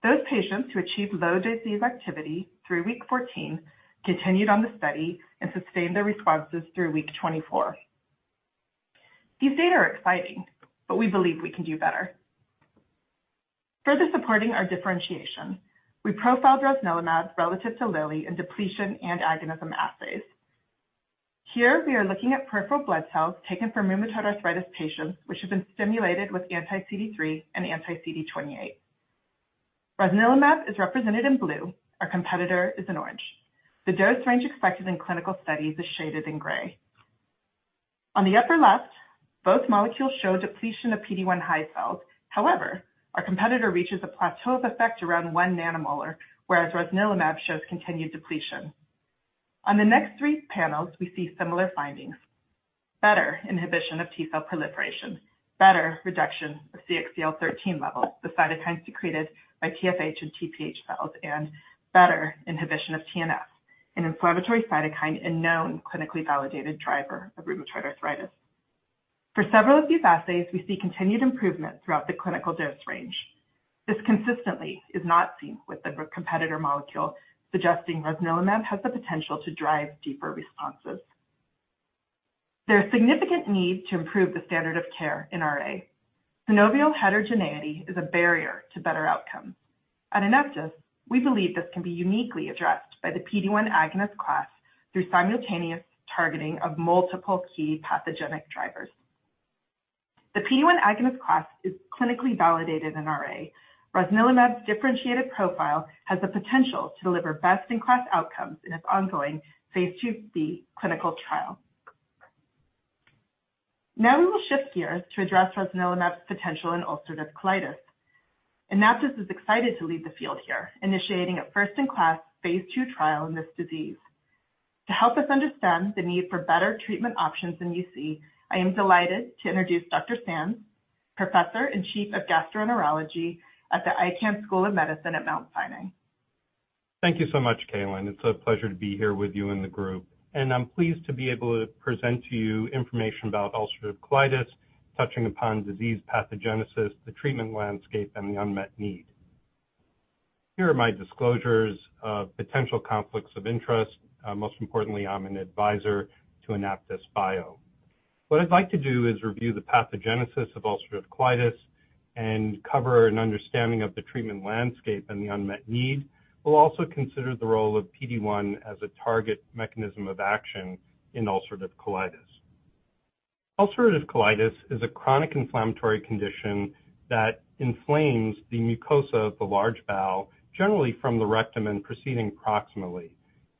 Those patients who achieve low disease activity through week 14 continued on the study and sustained their responses through week 24. These data are exciting, but we believe we can do better. Further supporting our differentiation, we profiled rosnilimab relative to Lilly in depletion and agonism assays. Here, we are looking at peripheral blood cells taken from rheumatoid arthritis patients, which have been stimulated with anti-CD3 and anti-CD28. Rosnilimab is represented in blue. Our competitor is in orange. The dose range expected in clinical studies is shaded in gray. On the upper left, both molecules show depletion of PD-1 high cells. However, our competitor reaches a plateau of effect around 1 nanomolar, whereas rosnilimab shows continued depletion. On the next three panels, we see similar findings, better inhibition of T cell proliferation, better reduction of CXCL13 levels, the cytokines secreted by TFH and TPH cells, and better inhibition of TNF, an inflammatory cytokine and known clinically validated driver of rheumatoid arthritis. For several of these assays, we see continued improvement throughout the clinical dose range. This consistently is not seen with the competitor molecule, suggesting rosnilimab has the potential to drive deeper responses. There is significant need to improve the standard of care in RA. Synovial heterogeneity is a barrier to better outcomes. At AnaptysBio, we believe this can be uniquely addressed by the PD-1 agonist class through simultaneous targeting of multiple key pathogenic drivers. The PD-1 agonist class is clinically validated in RA. Rosnilimab's differentiated profile has the potential to deliver best-in-class outcomes in its ongoing phase 2b clinical trial. Now we will shift gears to address rosnilimab's potential in ulcerative colitis. AnaptysBio is excited to lead the field here, initiating a first-in-class phase 2 trial in this disease. To help us understand the need for better treatment options in UC, I am delighted to introduce Dr. Sands, Professor and Chief of Gastroenterology at the Icahn School of Medicine at Mount Sinai. Thank you so much, Cailin. It's a pleasure to be here with you and the group, and I'm pleased to be able to present to you information about ulcerative colitis, touching upon disease pathogenesis, the treatment landscape, and the unmet need. Here are my disclosures of potential conflicts of interest. Most importantly, I'm an advisor to AnaptysBio. What I'd like to do is review the pathogenesis of ulcerative colitis and cover an understanding of the treatment landscape and the unmet need. We'll also consider the role of PD-1 as a target mechanism of action in ulcerative colitis. Ulcerative colitis is a chronic inflammatory condition that inflames the mucosa of the large bowel, generally from the rectum and proceeding proximally.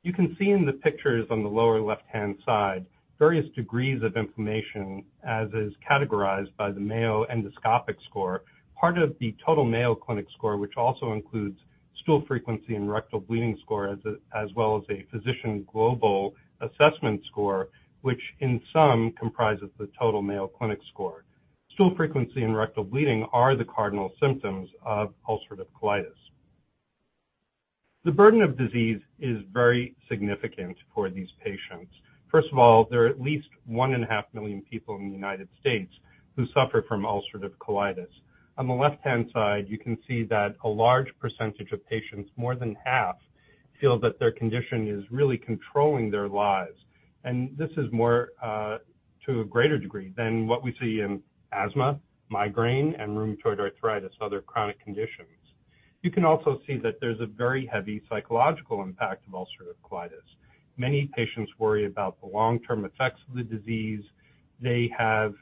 You can see in the pictures on the lower left-hand side, various degrees of inflammation, as is categorized by the Mayo Endoscopic Score, part of the total Mayo Clinic Score, which also includes stool frequency and rectal bleeding score, as well as a physician global assessment score, which in sum, comprises the total Mayo Clinic score. Stool frequency and rectal bleeding are the cardinal symptoms of ulcerative colitis. The burden of disease is very significant for these patients. First of all, there are at least 1.5 million people in the United States who suffer from ulcerative colitis. On the left-hand side, you can see that a large percentage of patients, more than half, feel that their condition is really controlling their lives. And this is more, to a greater degree than what we see in asthma, migraine, and rheumatoid arthritis, other chronic conditions. You can also see that there's a very heavy psychological impact of ulcerative colitis. Many patients worry about the long-term effects of the disease. They have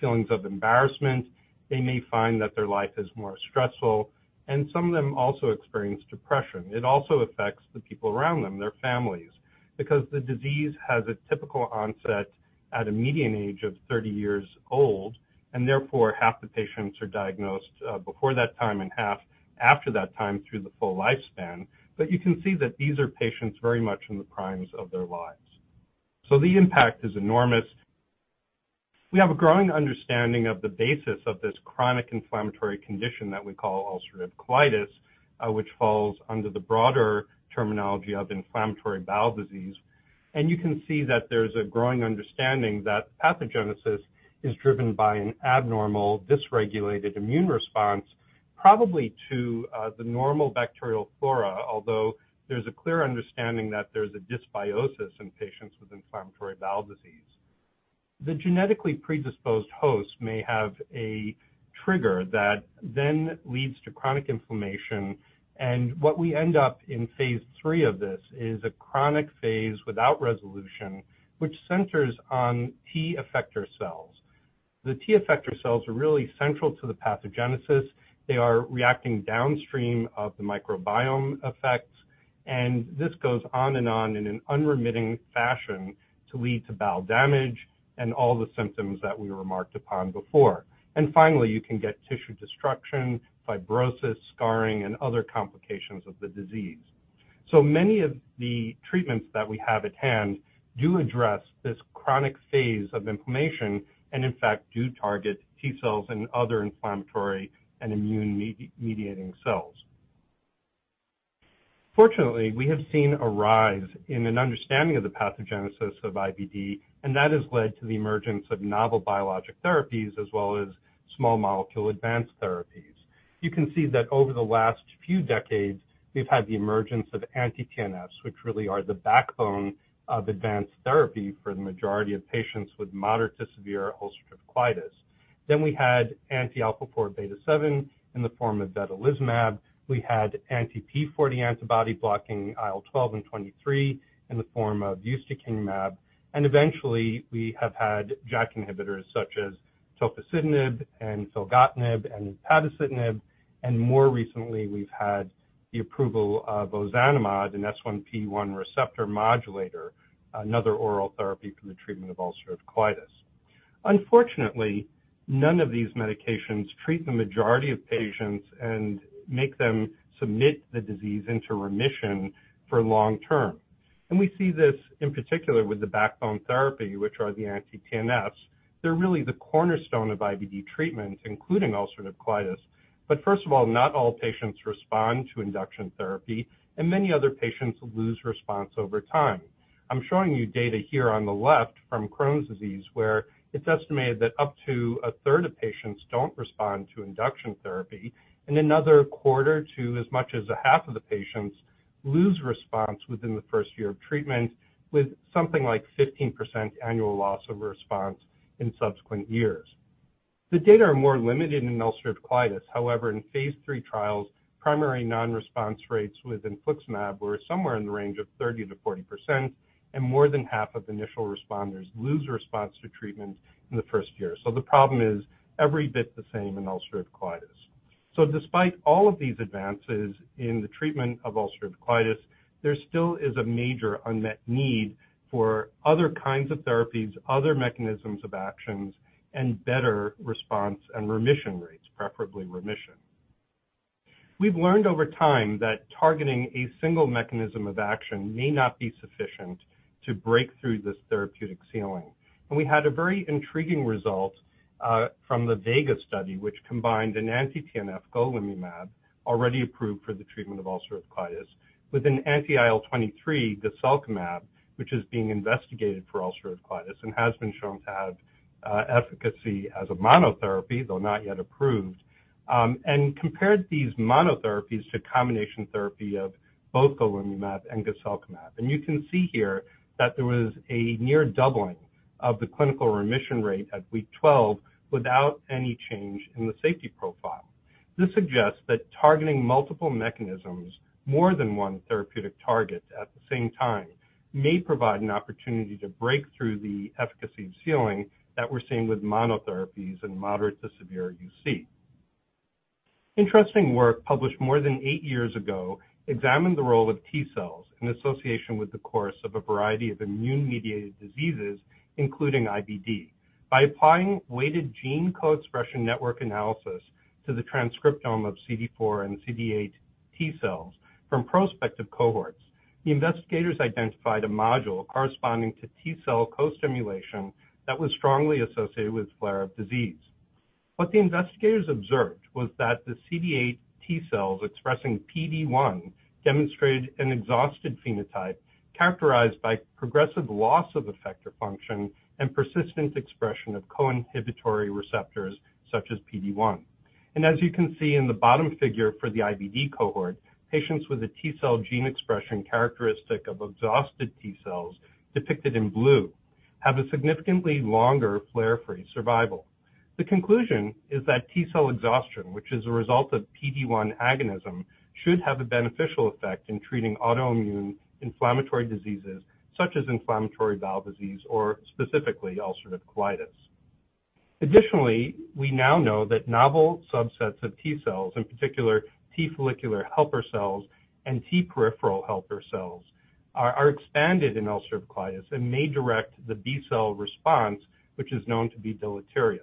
feelings of embarrassment. They may find that their life is more stressful, and some of them also experience depression. It also affects the people around them, their families, because the disease has a typical onset at a median age of 30 years old, and therefore, half the patients are diagnosed before that time and half after that time through the full lifespan. But you can see that these are patients very much in the primes of their lives. So the impact is enormous. We have a growing understanding of the basis of this chronic inflammatory condition that we call ulcerative colitis, which falls under the broader terminology of inflammatory bowel disease. You can see that there's a growing understanding that pathogenesis is driven by an abnormal dysregulated immune response, probably to the normal bacterial flora, although there's a clear understanding that there's a dysbiosis in patients with inflammatory bowel disease. The genetically predisposed host may have a trigger that then leads to chronic inflammation, and what we end up in phase three of this is a chronic phase without resolution, which centers on T effector cells. The T effector cells are really central to the pathogenesis. They are reacting downstream of the microbiome effects, and this goes on and on in an unremitting fashion to lead to bowel damage and all the symptoms that we remarked upon before. Finally, you can get tissue destruction, fibrosis, scarring, and other complications of the disease. So many of the treatments that we have at hand do address this chronic phase of inflammation and in fact, do target T cells and other inflammatory and immune mediating cells. Fortunately, we have seen a rise in an understanding of the pathogenesis of IBD, and that has led to the emergence of novel biologic therapies as well as small molecule advanced therapies. You can see that over the last few decades, we've had the emergence of anti-TNFs, which really are the backbone of advanced therapy for the majority of patients with moderate to severe ulcerative colitis. Then we had anti-alpha-4-beta-7 in the form of vedolizumab. We had anti-p40 antibody blocking IL-12 and 23 in the form of ustekinumab, and eventually, we have had JAK inhibitors such as tofacitinib and filgotinib and upadacitinib, and more recently, we've had the approval of ozanimod, an S1P1 receptor modulator, another oral therapy for the treatment of ulcerative colitis. Unfortunately, none of these medications treat the majority of patients and make them submit the disease into remission for long-term. We see this in particular with the backbone therapy, which are the anti-TNFs. They're really the cornerstone of IBD treatment, including ulcerative colitis. But first of all, not all patients respond to induction therapy, and many other patients lose response over time. I'm showing you data here on the left from Crohn's disease, where it's estimated that up to a third of patients don't respond to induction therapy, and another quarter to as much as a half of the patients lose response within the first year of treatment, with something like 15% annual loss of response in subsequent years. The data are more limited in ulcerative colitis. However, in phase 3 trials, primary non-response rates with infliximab were somewhere in the range of 30%-40%, and more than half of initial responders lose response to treatment in the first year. So the problem is every bit the same in ulcerative colitis. So despite all of these advances in the treatment of ulcerative colitis, there still is a major unmet need for other kinds of therapies, other mechanisms of actions, and better response and remission rates, preferably remission. We've learned over time that targeting a single mechanism of action may not be sufficient to break through this therapeutic ceiling. We had a very intriguing result from the VEGA study, which combined an anti-TNF golimumab, already approved for the treatment of ulcerative colitis, with an anti-IL-23 guselkumab, which is being investigated for ulcerative colitis and has been shown to have efficacy as a monotherapy, though not yet approved, and compared these monotherapies to combination therapy of both golimumab and guselkumab. You can see here that there was a near doubling of the clinical remission rate at week 12 without any change in the safety profile. This suggests that targeting multiple mechanisms, more than one therapeutic target at the same time, may provide an opportunity to break through the efficacy ceiling that we're seeing with monotherapies in moderate to severe UC. Interesting work published more than eight years ago examined the role of T cells in association with the course of a variety of immune-mediated diseases, including IBD. By applying weighted gene co-expression network analysis to the transcriptome of CD4 and CD8 T cells from prospective cohorts, the investigators identified a module corresponding to T cell co-stimulation that was strongly associated with flare of disease. What the investigators observed was that the CD8 T cells expressing PD-1 demonstrated an exhausted phenotype characterized by progressive loss of effector function and persistent expression of co-inhibitory receptors such as PD-1. As you can see in the bottom figure for the IBD cohort, patients with a T cell gene expression characteristic of exhausted T cells, depicted in blue, have a significantly longer flare-free survival. The conclusion is that T cell exhaustion, which is a result of PD-1 agonism, should have a beneficial effect in treating autoimmune inflammatory diseases such as inflammatory bowel disease or specifically ulcerative colitis. Additionally, we now know that novel subsets of T cells, in particular T follicular helper cells and T peripheral helper cells, are expanded in ulcerative colitis and may direct the B cell response, which is known to be deleterious.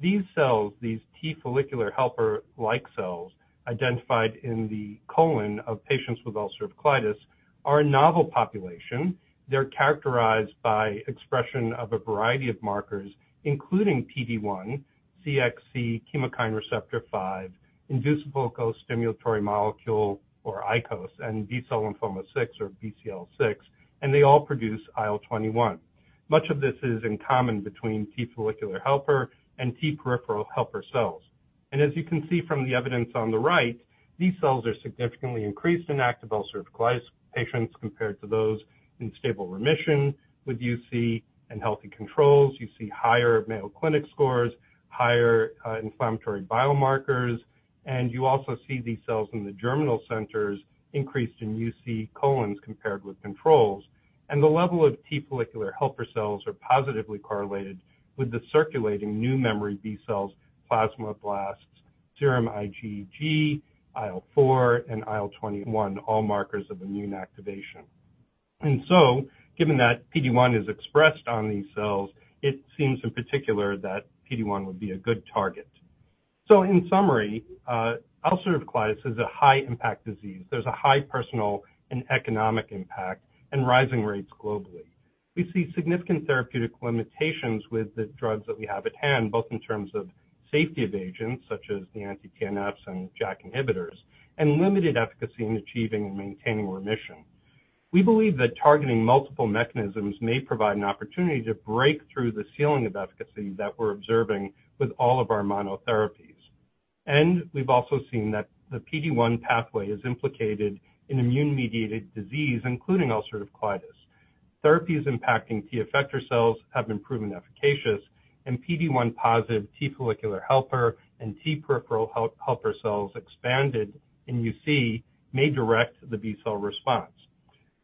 These cells, these T follicular helper-like cells, identified in the colon of patients with ulcerative colitis, are a novel population. They're characterized by expression of a variety of markers, including PD-1, CXCR5, inducible co-stimulatory molecule or ICOS, and B-cell lymphoma 6 or BCL6, and they all produce IL-21. Much of this is in common between T follicular helper and T peripheral helper cells. As you can see from the evidence on the right, these cells are significantly increased in active ulcerative colitis patients compared to those in stable remission with UC and healthy controls. You see higher Mayo Clinic scores, higher inflammatory biomarkers, and you also see these cells in the germinal centers increased in UC colons compared with controls. The level of T follicular helper cells are positively correlated with the circulating new memory B cells, plasmablasts, serum IgG, IL-4, and IL-21, all markers of immune activation. So given that PD-1 is expressed on these cells, it seems in particular that PD-1 would be a good target. In summary, ulcerative colitis is a high impact disease. There's a high personal and economic impact and rising rates globally. We see significant therapeutic limitations with the drugs that we have at hand, both in terms of safety of agents, such as the anti-TNFs and JAK inhibitors, and limited efficacy in achieving and maintaining remission. We believe that targeting multiple mechanisms may provide an opportunity to break through the ceiling of efficacy that we're observing with all of our monotherapies. We've also seen that the PD-1 pathway is implicated in immune-mediated disease, including ulcerative colitis. Therapies impacting T effector cells have been proven efficacious, and PD-1 positive T follicular helper and T peripheral helper cells expanded in UC may direct the B cell response.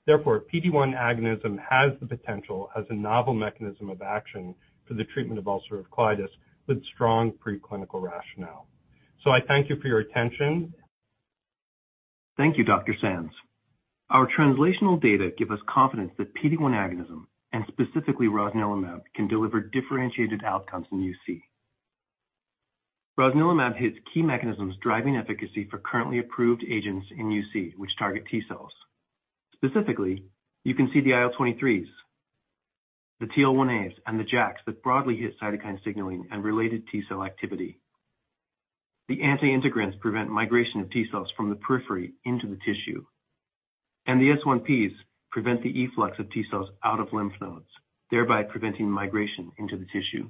Therefore, PD-1 agonism has the potential as a novel mechanism of action for the treatment of ulcerative colitis with strong preclinical rationale. I thank you for your attention. Thank you, Dr. Sands. Our translational data give us confidence that PD-1 agonism, and specifically rosnilimab, can deliver differentiated outcomes in UC. Rosnilimab hits key mechanisms driving efficacy for currently approved agents in UC, which target T cells. Specifically, you can see the IL-23s, the TL1As, and the JAKs that broadly hit cytokine signaling and related T cell activity. The anti-integrins prevent migration of T cells from the periphery into the tissue, and the S1Ps prevent the efflux of T cells out of lymph nodes, thereby preventing migration into the tissue.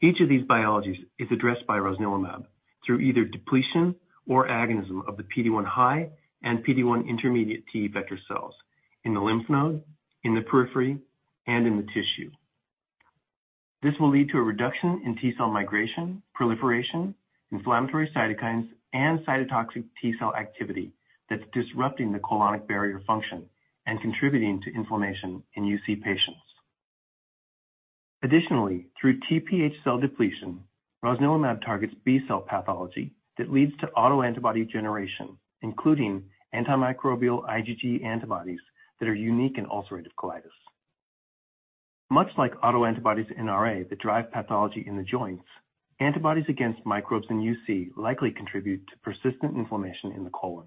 Each of these biologies is addressed by rosnilimab through either depletion or agonism of the PD-1 high and PD-1 intermediate T effector cells in the lymph node, in the periphery, and in the tissue. This will lead to a reduction in T cell migration, proliferation, inflammatory cytokines, and cytotoxic T cell activity that's disrupting the colonic barrier function and contributing to inflammation in UC patients. Additionally, through TPH cell depletion, rosnilimab targets B cell pathology that leads to autoantibody generation, including antimicrobial IgG antibodies that are unique in ulcerative colitis. Much like autoantibodies in RA that drive pathology in the joints, antibodies against microbes in UC likely contribute to persistent inflammation in the colon.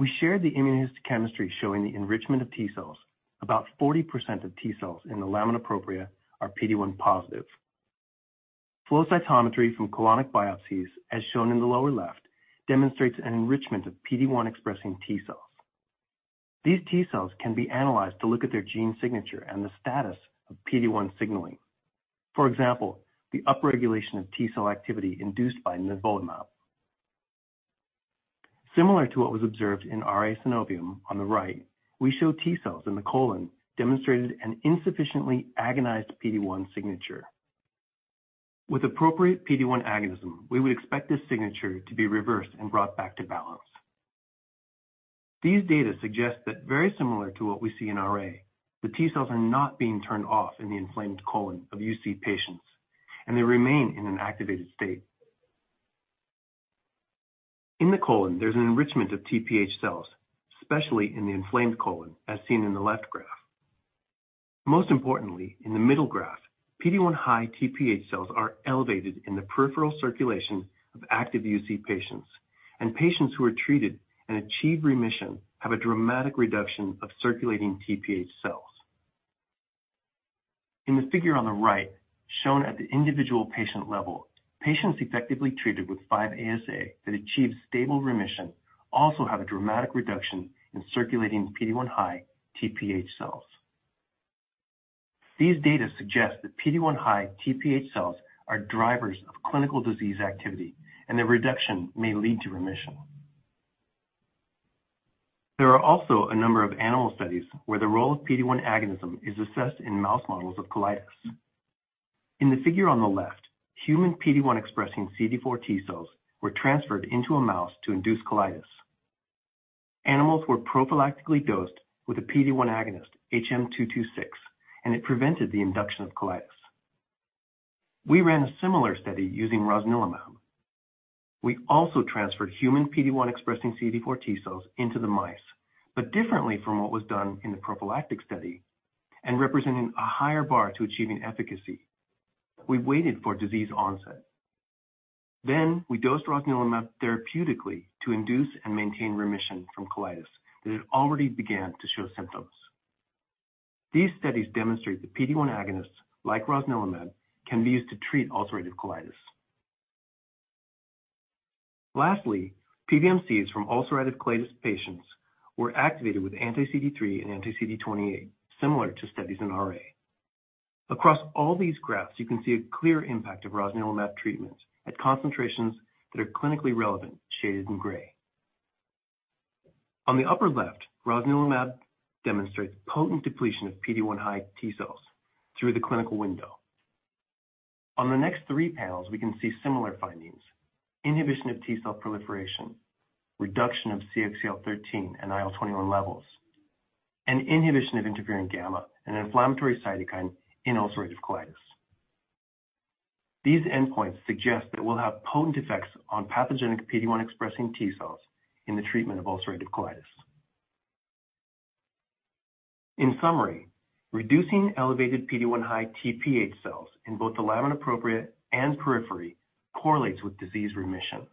We shared the immunohistochemistry showing the enrichment of T cells. About 40% of T cells in the lamina propria are PD-1 positive. Flow cytometry from colonic biopsies, as shown in the lower left, demonstrates an enrichment of PD-1-expressing T cells. These T cells can be analyzed to look at their gene signature and the status of PD-1 signaling. For example, the upregulation of T cell activity induced by nivolumab.... Similar to what was observed in RA synovium on the right, we show T cells in the colon demonstrated an insufficiently agonized PD-1 signature. With appropriate PD-1 agonism, we would expect this signature to be reversed and brought back to balance. These data suggest that very similar to what we see in RA, the T cells are not being turned off in the inflamed colon of UC patients, and they remain in an activated state. In the colon, there's an enrichment of TPH cells, especially in the inflamed colon, as seen in the left graph. Most importantly, in the middle graph, PD-1 high TPH cells are elevated in the peripheral circulation of active UC patients, and patients who are treated and achieve remission have a dramatic reduction of circulating TPH cells. In the figure on the right, shown at the individual patient level, patients effectively treated with 5-ASAs that achieve stable remission also have a dramatic reduction in circulating PD-1 high TPH cells. These data suggest that PD-1 high TPH cells are drivers of clinical disease activity, and their reduction may lead to remission. There are also a number of animal studies where the role of PD-1 agonism is assessed in mouse models of colitis. In the figure on the left, human PD-1 expressing CD4 T cells were transferred into a mouse to induce colitis. Animals were prophylactically dosed with a PD-1 agonist, HM226, and it prevented the induction of colitis. We ran a similar study using rosnilimab. We also transferred human PD-1 expressing CD4 T cells into the mice, but differently from what was done in the prophylactic study and representing a higher bar to achieving efficacy. We waited for disease onset. Then we dosed Rosnilimab therapeutically to induce and maintain remission from colitis, that it already began to show symptoms. These studies demonstrate that PD-1 agonists like Rosnilimab can be used to treat ulcerative colitis. Lastly, PBMCs from ulcerative colitis patients were activated with anti-CD3 and anti-CD28, similar to studies in RA. Across all these graphs, you can see a clear impact of Rosnilimab treatments at concentrations that are clinically relevant, shaded in gray. On the upper left, rosnilimab demonstrates potent depletion of PD-1 high T cells through the clinical window. On the next three panels, we can see similar findings: inhibition of T cell proliferation, reduction of CXCL13 and IL-21 levels, and inhibition of interferon gamma and inflammatory cytokine in ulcerative colitis. These endpoints suggest that it will have potent effects on pathogenic PD-1 expressing T cells in the treatment of ulcerative colitis. In summary, reducing elevated PD-1 high TPH cells in both the lamina propria and periphery correlates with disease remission.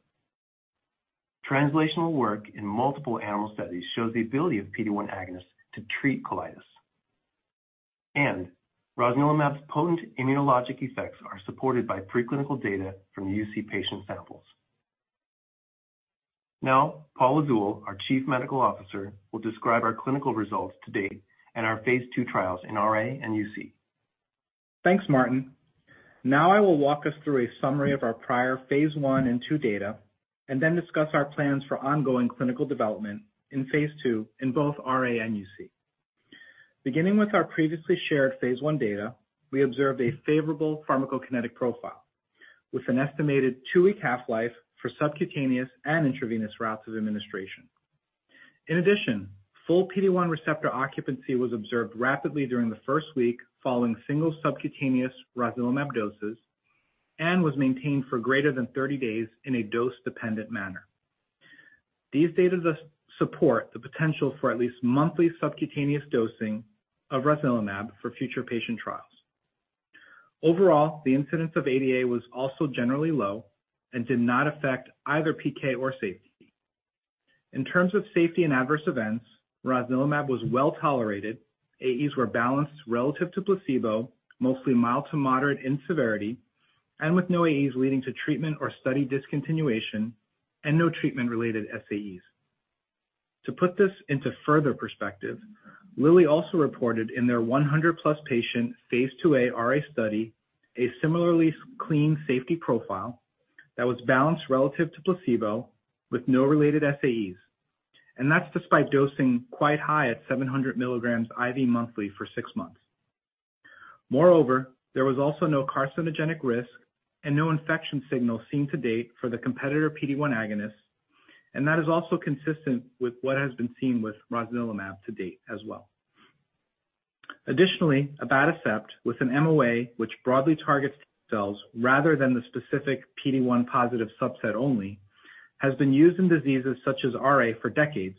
Translational work in multiple animal studies shows the ability of PD-1 agonists to treat colitis, and rosnilimab's potent immunologic effects are supported by preclinical data from UC patient samples. Now, Paul Lizzul, our Chief Medical Officer, will describe our clinical results to date and our phase 2 trials in RA and UC. Thanks, Martin. Now I will walk us through a summary of our prior phase 1 and 2 data, and then discuss our plans for ongoing clinical development in phase 2 in both RA and UC. Beginning with our previously shared phase 1 data, we observed a favorable pharmacokinetic profile, with an estimated 2-week half-life for subcutaneous and intravenous routes of administration. In addition, full PD-1 receptor occupancy was observed rapidly during the first week following single subcutaneous rosnilimab doses and was maintained for greater than 30 days in a dose-dependent manner. These data support the potential for at least monthly subcutaneous dosing of rosnilimab for future patient trials. Overall, the incidence of ADA was also generally low and did not affect either PK or safety. In terms of safety and adverse events, rosnilimab was well tolerated. AEs were balanced relative to placebo, mostly mild to moderate in severity, and with no AEs leading to treatment or study discontinuation and no treatment-related SAEs. To put this into further perspective, Lilly also reported in their 100+ patient phase 2a RA study, a similarly clean safety profile that was balanced relative to placebo with no related SAEs, and that's despite dosing quite high at 700 milligrams IV monthly for six months. Moreover, there was also no carcinogenic risk and no infection signal seen to date for the competitor PD-1 agonist, and that is also consistent with what has been seen with rosnilimab to date as well. Additionally, abatacept, with an MOA which broadly targets T cells rather than the specific PD-1 positive subset only, has been used in diseases such as RA for decades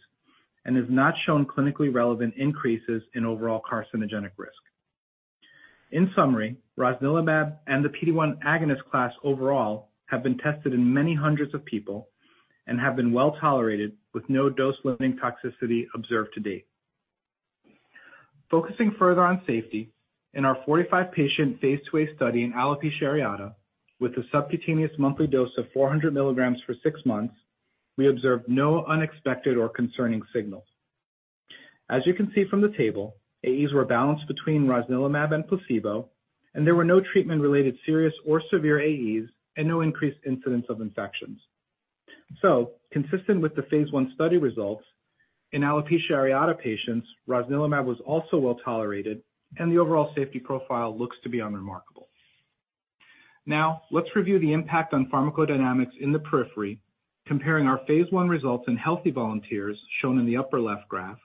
and has not shown clinically relevant increases in overall carcinogenic risk. In summary, rosnilimab and the PD-1 agonist class overall have been tested in many hundreds of people and have been well tolerated, with no dose-limiting toxicity observed to date. Focusing further on safety, in our 45-patient phase 2a study in alopecia areata, with a subcutaneous monthly dose of 400 mg for six months, we observed no unexpected or concerning signals. As you can see from the table, AEs were balanced between rosnilimab and placebo, and there were no treatment-related serious or severe AEs and no increased incidence of infections. So consistent with the phase 1 study results, in alopecia areata patients, rosnilimab was also well tolerated, and the overall safety profile looks to be unremarkable. Now let's review the impact on pharmacodynamics in the periphery, comparing our phase I results in healthy volunteers, shown in the upper left graph,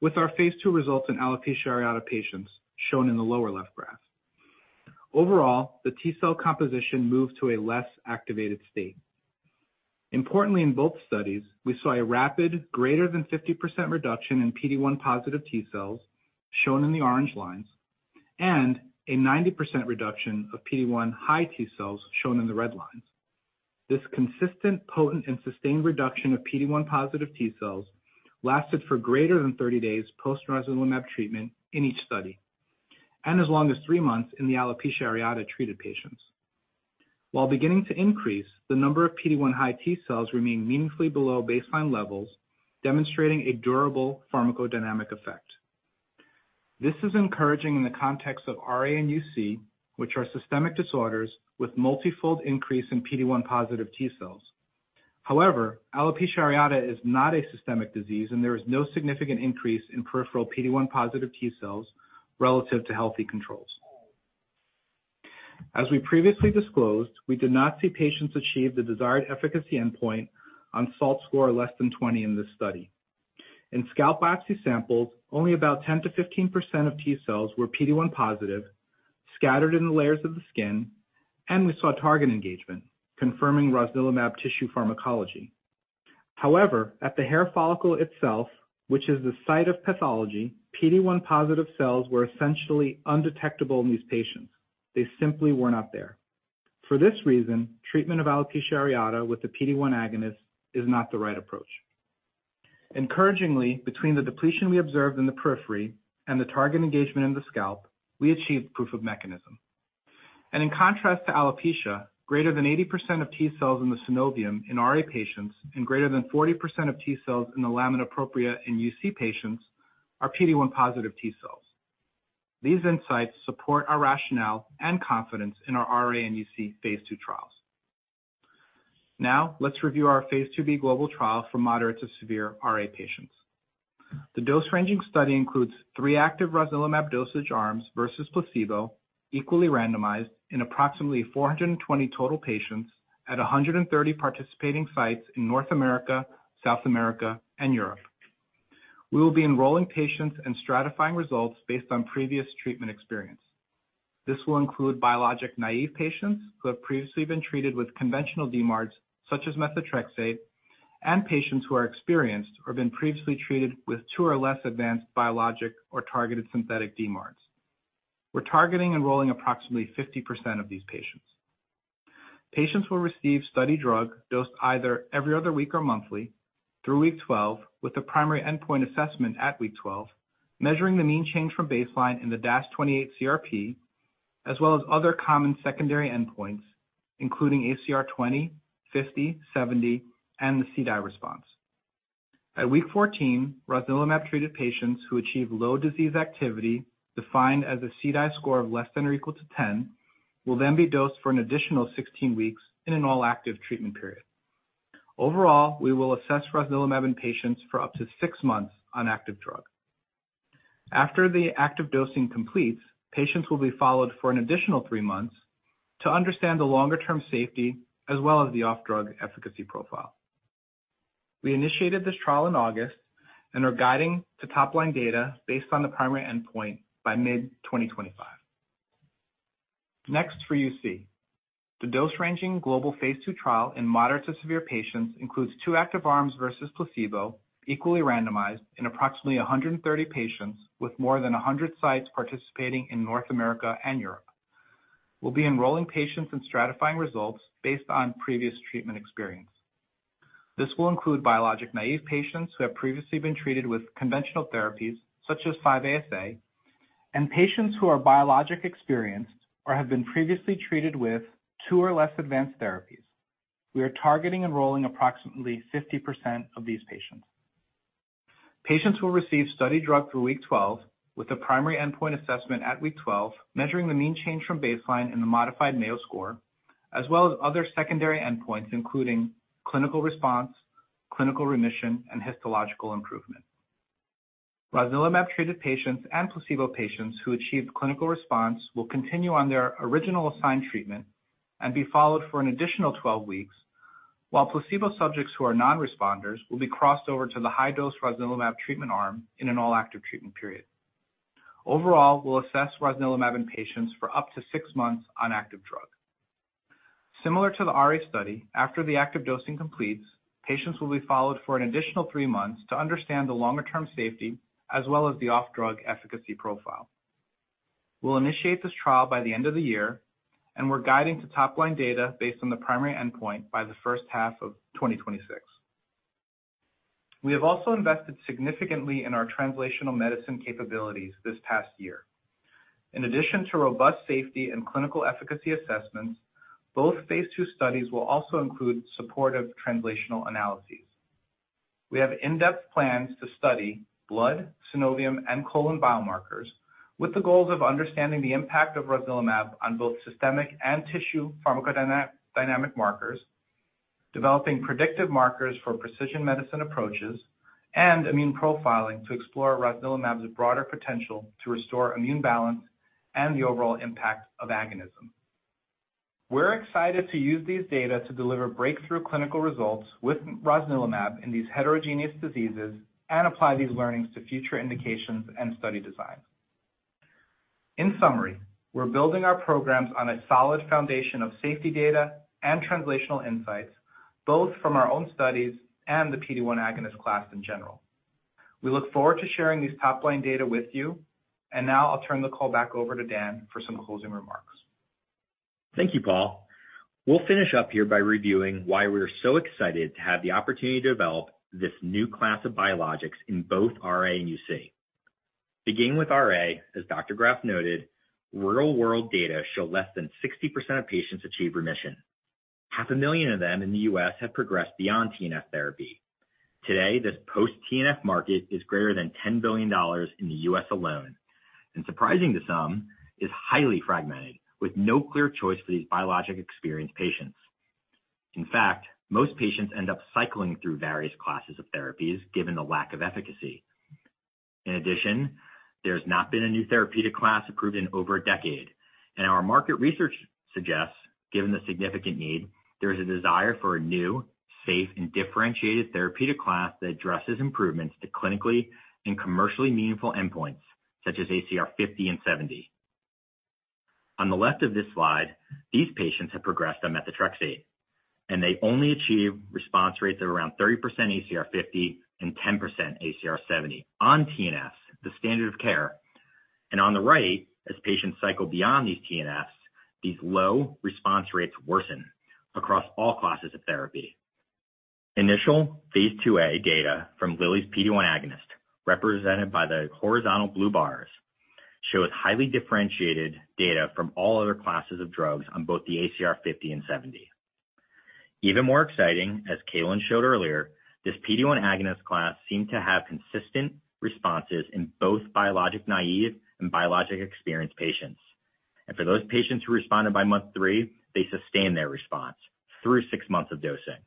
with our phase II results in alopecia areata patients, shown in the lower left graph. Overall, the T cell composition moved to a less activated state. Importantly, in both studies, we saw a rapid, greater than 50% reduction in PD-1 positive T cells, shown in the orange lines, and a 90% reduction of PD-1 high T cells, shown in the red lines. This consistent, potent, and sustained reduction of PD-1 positive T cells lasted for greater than 30 days post rosnilimab treatment in each study, and as long as 3 months in the alopecia areata treated patients. While beginning to increase, the number of PD-1 high T cells remained meaningfully below baseline levels, demonstrating a durable pharmacodynamic effect. This is encouraging in the context of RA and UC, which are systemic disorders with multifold increase in PD-1 positive T cells. However, alopecia areata is not a systemic disease, and there is no significant increase in peripheral PD-1 positive T cells relative to healthy controls. As we previously disclosed, we did not see patients achieve the desired efficacy endpoint on SALT score less than 20 in this study. In scalp biopsy samples, only about 10%-15% of T cells were PD-1 positive, scattered in the layers of the skin, and we saw target engagement, confirming Rosnilimab tissue pharmacology. However, at the hair follicle itself, which is the site of pathology, PD-1 positive cells were essentially undetectable in these patients. They simply were not there. For this reason, treatment of alopecia areata with the PD-1 agonist is not the right approach. Encouragingly, between the depletion we observed in the periphery and the target engagement in the scalp, we achieved proof of mechanism. In contrast to alopecia, greater than 80% of T cells in the synovium in RA patients and greater than 40% of T cells in the lamina propria in UC patients are PD-1 positive T cells. These insights support our rationale and confidence in our RA and UC phase II trials. Now, let's review our phase IIb global trial for moderate to severe RA patients. The dose-ranging study includes three active rosnilimab dosage arms versus placebo, equally randomized in approximately 420 total patients at 130 participating sites in North America, South America, and Europe. We will be enrolling patients and stratifying results based on previous treatment experience. This will include biologic-naive patients who have previously been treated with conventional DMARDs, such as methotrexate, and patients who are experienced or have been previously treated with 2 or less advanced biologic or targeted synthetic DMARDs. We're targeting enrolling approximately 50% of these patients. Patients will receive study drug dosed either every other week or monthly through week 12, with the primary endpoint assessment at week 12, measuring the mean change from baseline in the DAS28-CRP, as well as other common secondary endpoints, including ACR 20, 50, 70, and the CDAI response. At week 14, rosnilimab-treated patients who achieve low disease activity, defined as a CDAI score of less than or equal to 10, will then be dosed for an additional 16 weeks in an all-active treatment period. Overall, we will assess rosnilimab in patients for up to 6 months on active drug. After the active dosing completes, patients will be followed for an additional 3 months to understand the longer-term safety as well as the off-drug efficacy profile. We initiated this trial in August and are guiding to top-line data based on the primary endpoint by mid-2025. Next for UC. The dose-ranging global phase 2 trial in moderate to severe patients includes 2 active arms versus placebo, equally randomized in approximately 130 patients with more than 100 sites participating in North America and Europe. We'll be enrolling patients and stratifying results based on previous treatment experience. This will include biologic-naive patients who have previously been treated with conventional therapies such as 5-ASA, and patients who are biologic-experienced or have been previously treated with 2 or less advanced therapies. We are targeting enrolling approximately 50% of these patients. Patients will receive study drug through week 12, with the primary endpoint assessment at week 12, measuring the mean change from baseline in the modified Mayo score, as well as other secondary endpoints, including clinical response, clinical remission, and histological improvement. Rosnilimab-treated patients and placebo patients who achieved clinical response will continue on their original assigned treatment and be followed for an additional 12 weeks, while placebo subjects who are non-responders will be crossed over to the high-dose Rosnilimab treatment arm in an all-active treatment period. Overall, we'll assess Rosnilimab in patients for up to 6 months on active drug. Similar to the RA study, after the active dosing completes, patients will be followed for an additional 3 months to understand the longer-term safety, as well as the off-drug efficacy profile. We'll initiate this trial by the end of the year, and we're guiding to top-line data based on the primary endpoint by the first half of 2026. We have also invested significantly in our translational medicine capabilities this past year. In addition to robust safety and clinical efficacy assessments, both Phase 2 studies will also include supportive translational analyses. We have in-depth plans to study blood, synovium, and colon biomarkers, with the goals of understanding the impact of rosnilimab on both systemic and tissue pharmacodynamic markers, developing predictive markers for precision medicine approaches, and immune profiling to explore rosnilimab's broader potential to restore immune balance and the overall impact of agonism. We're excited to use these data to deliver breakthrough clinical results with rosnilimab in these heterogeneous diseases and apply these learnings to future indications and study designs. In summary, we're building our programs on a solid foundation of safety data and translational insights, both from our own studies and the PD-1 agonist class in general. We look forward to sharing these top-line data with you, and now I'll turn the call back over to Dan for some closing remarks. Thank you, Paul. We'll finish up here by reviewing why we are so excited to have the opportunity to develop this new class of biologics in both RA and UC. Beginning with RA, as Dr. Graf noted, real-world data show less than 60% of patients achieve remission. 500,000 of them in the U.S. have progressed beyond TNF therapy. Today, this post-TNF market is greater than $10 billion in the U.S. alone, and surprising to some, is highly fragmented, with no clear choice for these biologic-experienced patients. In fact, most patients end up cycling through various classes of therapies given the lack of efficacy. In addition, there's not been a new therapeutic class approved in over a decade, and our market research suggests, given the significant need, there is a desire for a new, safe, and differentiated therapeutic class that addresses improvements to clinically and commercially meaningful endpoints, such as ACR 50 and 70. On the left of this slide, these patients have progressed on methotrexate, and they only achieve response rates of around 30% ACR 50 and 10% ACR 70 on TNFs, the standard of care. On the right, as patients cycle beyond these TNFs, these low response rates worsen across all classes of therapy. Initial phase 2a data from Lilly's PD-1 agonist, represented by the horizontal blue bars, shows highly differentiated data from all other classes of drugs on both the ACR 50 and 70. Even more exciting, as Cailin showed earlier, this PD-1 agonist class seemed to have consistent responses in both biologic-naive and biologic-experienced patients. For those patients who responded by month 3, they sustained their response through 6 months of dosing.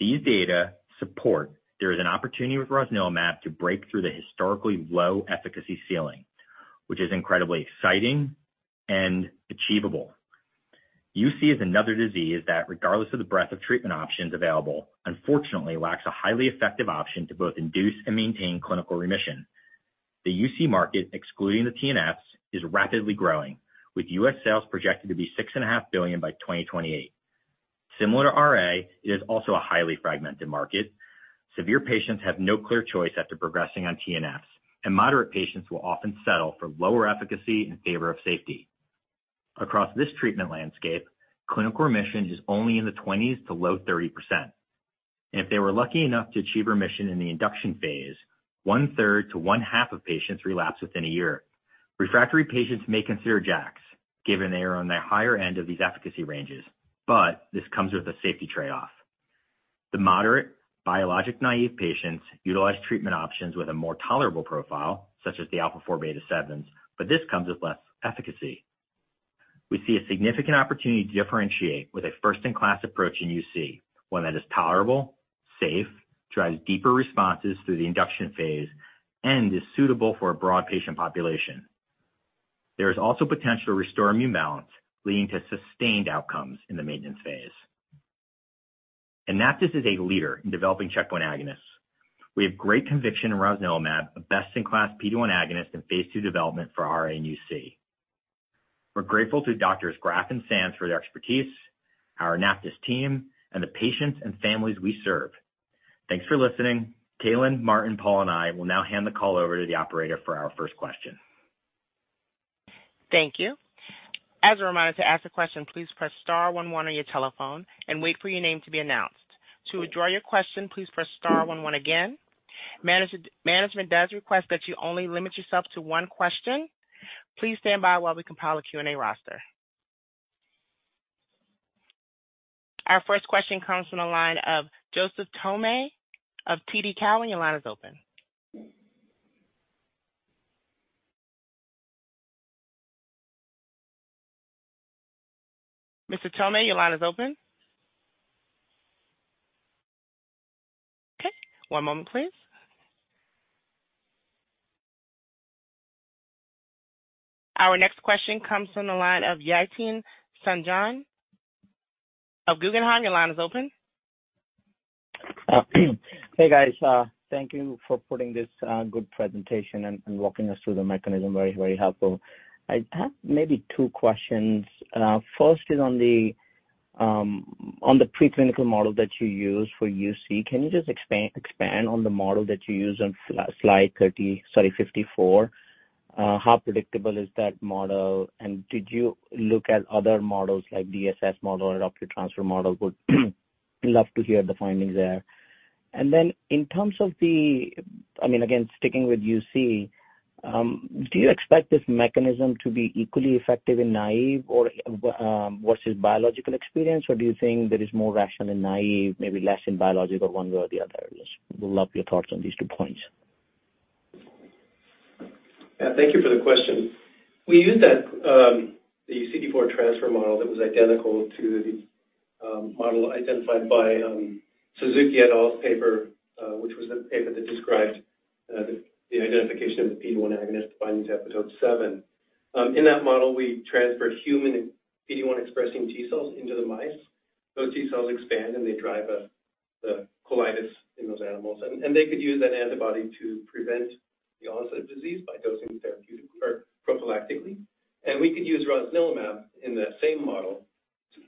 These data support there is an opportunity with rosnilimab to break through the historically low efficacy ceiling, which is incredibly exciting and achievable. UC is another disease that, regardless of the breadth of treatment options available, unfortunately lacks a highly effective option to both induce and maintain clinical remission. The UC market, excluding the TNFs, is rapidly growing, with U.S. sales projected to be $6.5 billion by 2028. Similar to RA, it is also a highly fragmented market. Severe patients have no clear choice after progressing on TNFs, and moderate patients will often settle for lower efficacy in favor of safety. Across this treatment landscape, clinical remission is only in the 20s-low 30%, and if they were lucky enough to achieve remission in the induction phase, one-third to one-half of patients relapse within a year. Refractory patients may consider JAKs, given they are on the higher end of these efficacy ranges, but this comes with a safety trade-off. The moderate, biologic-naive patients utilize treatment options with a more tolerable profile, such as the alpha-4-beta-7s, but this comes with less efficacy. We see a significant opportunity to differentiate with a first-in-class approach in UC, one that is tolerable, safe, drives deeper responses through the induction phase, and is suitable for a broad patient population. There is also potential to restore immune balance, leading to sustained outcomes in the maintenance phase. AnaptysBio is a leader in developing checkpoint agonists. We have great conviction in rosnilimab, a best-in-class PD-1 agonist in Phase 2 development for RA and UC. We're grateful to Doctors Graf and Sands for their expertise, our Anaptys team, and the patients and families we serve. Thanks for listening. Kaitlyn, Martin, Paul, and I will now hand the call over to the operator for our first question. Thank you. As a reminder, to ask a question, please press star one one on your telephone and wait for your name to be announced. To withdraw your question, please press star one one again. Management does request that you only limit yourself to one question. Please stand by while we compile a Q&A roster. Our first question comes from the line of Joseph Thome of TD Cowen. Your line is open. Mr. Thome, your line is open? Okay, one moment, please. Our next question comes from the line of Yatin Suneja of Guggenheim. Your line is open. Hey, guys. Thank you for putting this good presentation and walking us through the mechanism. Very, very helpful. I have maybe two questions. First is on the preclinical model that you use for UC. Can you just expand on the model that you use on slide 30, sorry, 54? How predictable is that model? And did you look at other models like DSS model or T-cell transfer model? Would love to hear the findings there. And then in terms of the, I mean, again, sticking with UC, do you expect this mechanism to be equally effective in naive or versus biological experience, or do you think there is more rational in naive, maybe less in biological, one way or the other? Just would love your thoughts on these two points. Yeah, thank you for the question. We used that, the CD4 transfer model that was identical to the model identified by Suzuki et al.'s paper, which was the paper that described the identification of the PD-1 agonist binding to epitope seven. In that model, we transferred human PD-1 expressing T-cells into the mice. Those T-cells expand, and they drive the colitis in those animals, and they could use that antibody to prevent the onset of disease by dosing therapeutic or prophylactically. And we could use rosnilimab in that same model,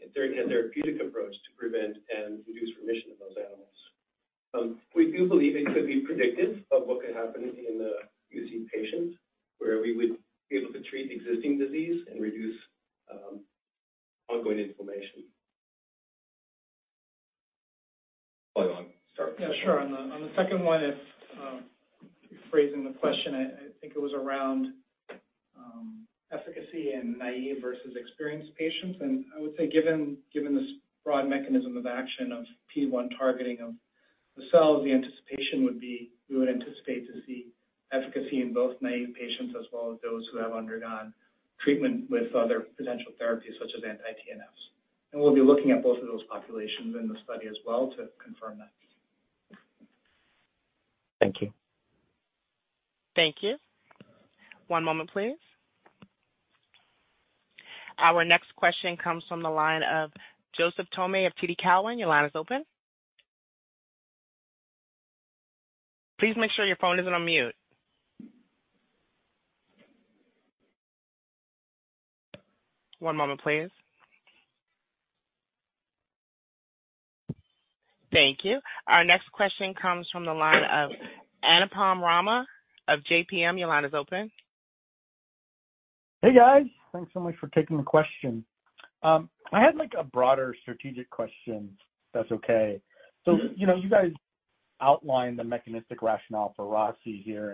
a therapeutic approach to prevent and reduce remission in those animals. We do believe it could be predictive of what could happen in UC patients, where we would be able to treat existing disease and reduce ongoing inflammation. Oh, yeah. Start. Yeah, sure. On the, on the second one, if rephrasing the question, I think it was around efficacy in naive versus experienced patients. And I would say, given this broad mechanism of action of PD-1 targeting of the cells, the anticipation would be we would anticipate to see efficacy in both naive patients as well as those who have undergone treatment with other potential therapies such as anti-TNFs. And we'll be looking at both of those populations in the study as well to confirm that. Thank you. Thank you. One moment, please. Our next question comes from the line of Joseph Thome of TD Cowen. Your line is open. Please make sure your phone isn't on mute. One moment, please. Thank you. Our next question comes from the line of Anupam Rama of JPM. Your line is open. Hey, guys. Thanks so much for taking the question. I had, like, a broader strategic question, if that's okay. So, you know, you guys outlined the mechanistic rationale for rosnilimab here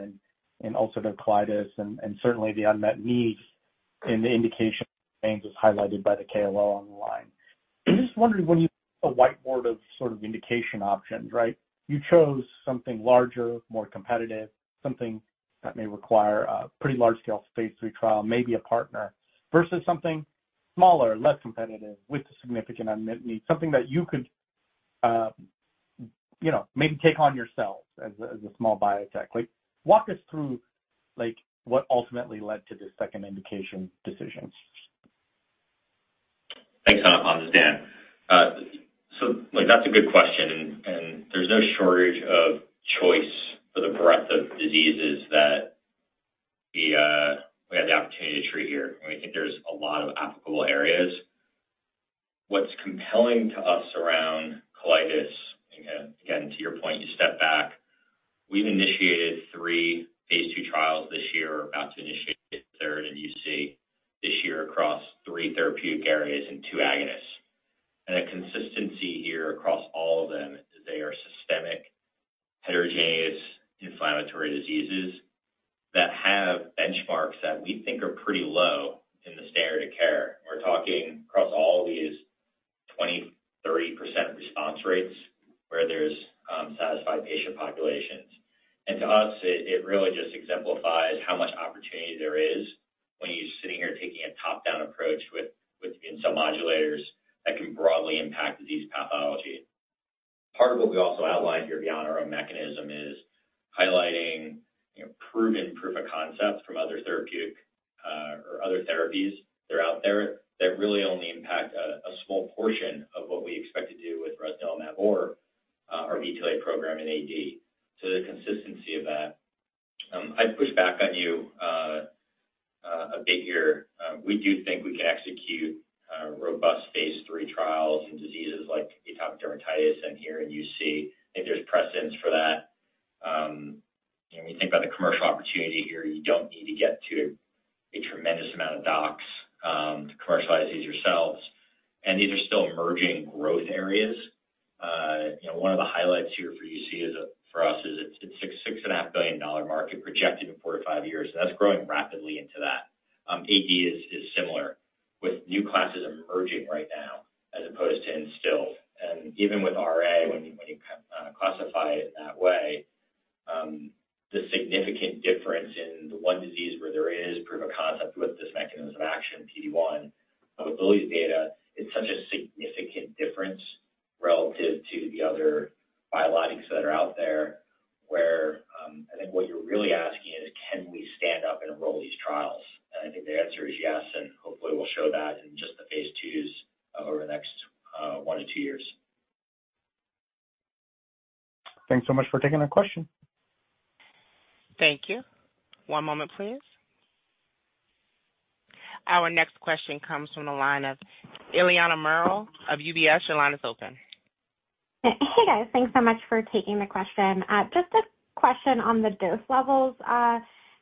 in ulcerative colitis and certainly the unmet need in the indication as highlighted by the KOL on the line. I'm just wondering, when you a whiteboard of sort of indication options, right? You chose something larger, more competitive, something that may require a pretty large-scale phase 3 trial, maybe a partner, versus something smaller, less competitive, with a significant unmet need, something that you could, you know, maybe take on yourself as a small biotech. Like, walk us through, like, what ultimately led to the second indication decisions. Thanks, Anupam. This is Dan. So, look, that's a good question, and, and there's no shortage of choice for the breadth of diseases that we, we have the opportunity to treat here. And we think there's a lot of applicable areas. What's compelling to us around colitis, again, to your point, you step back. We've initiated three phase 2 trials this year, about to initiate the third in UC this year across three therapeutic areas and two agonists. And the consistency here across all of them is they are systemic, heterogeneous, inflammatory diseases that have benchmarks that we think are pretty low in the standard of care. We're talking across all these 20%, 30% response rates where there's satisfied patient populations. To us, it really just exemplifies how much opportunity there is when you're sitting here taking a top-down approach with cell modulators that can broadly impact disease pathology. Part of what we also outlined here beyond our own mechanism is highlighting proven proof of concepts from other therapeutic or other therapies that are out there that really only impact a small portion of what we expect to do with rosnilimab or our BTLA program in AD, so the consistency of that. I'd push back on you a bit here. We do think we can execute robust phase three trials in diseases like atopic dermatitis and here in UC. I think there's precedence for that. When you think about the commercial opportunity here, you don't need to get to a tremendous amount of docs to commercialize these yourselves. These are still emerging growth areas. You know, one of the highlights here for UC is, for us, it's a $6-$6.5 billion market projected in 4-5 years, and that's growing rapidly into that. AD is similar, with new classes emerging right now as opposed to entrenched. Even with RA, when you classify it that way, the significant difference in the one disease where there is proof of concept with this mechanism of action, PD-1, efficacy data, it's such a significant difference relative to the other biologics that are out there, where I think what you're really asking is: Can we stand up and enroll these trials? I think the answer is yes, and hopefully, we'll show that in just the phase 2s over the next 1-2 years. Thanks so much for taking the question. Thank you. One moment, please. Our next question comes from the line of Ellie Merle of UBS. Your line is open. Hey, guys. Thanks so much for taking the question. Just a question on the dose levels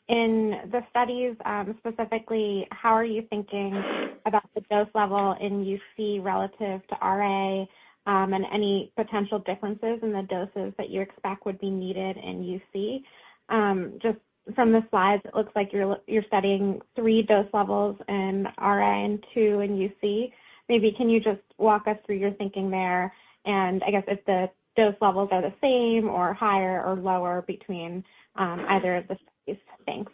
in the studies. Specifically, how are you thinking about the dose level in UC relative to RA, and any potential differences in the doses that you expect would be needed in UC? Just from the slides, it looks like you're studying three dose levels in RA and two in UC. Maybe can you just walk us through your thinking there, and I guess if the dose levels are the same or higher or lower between either of the studies? Thanks.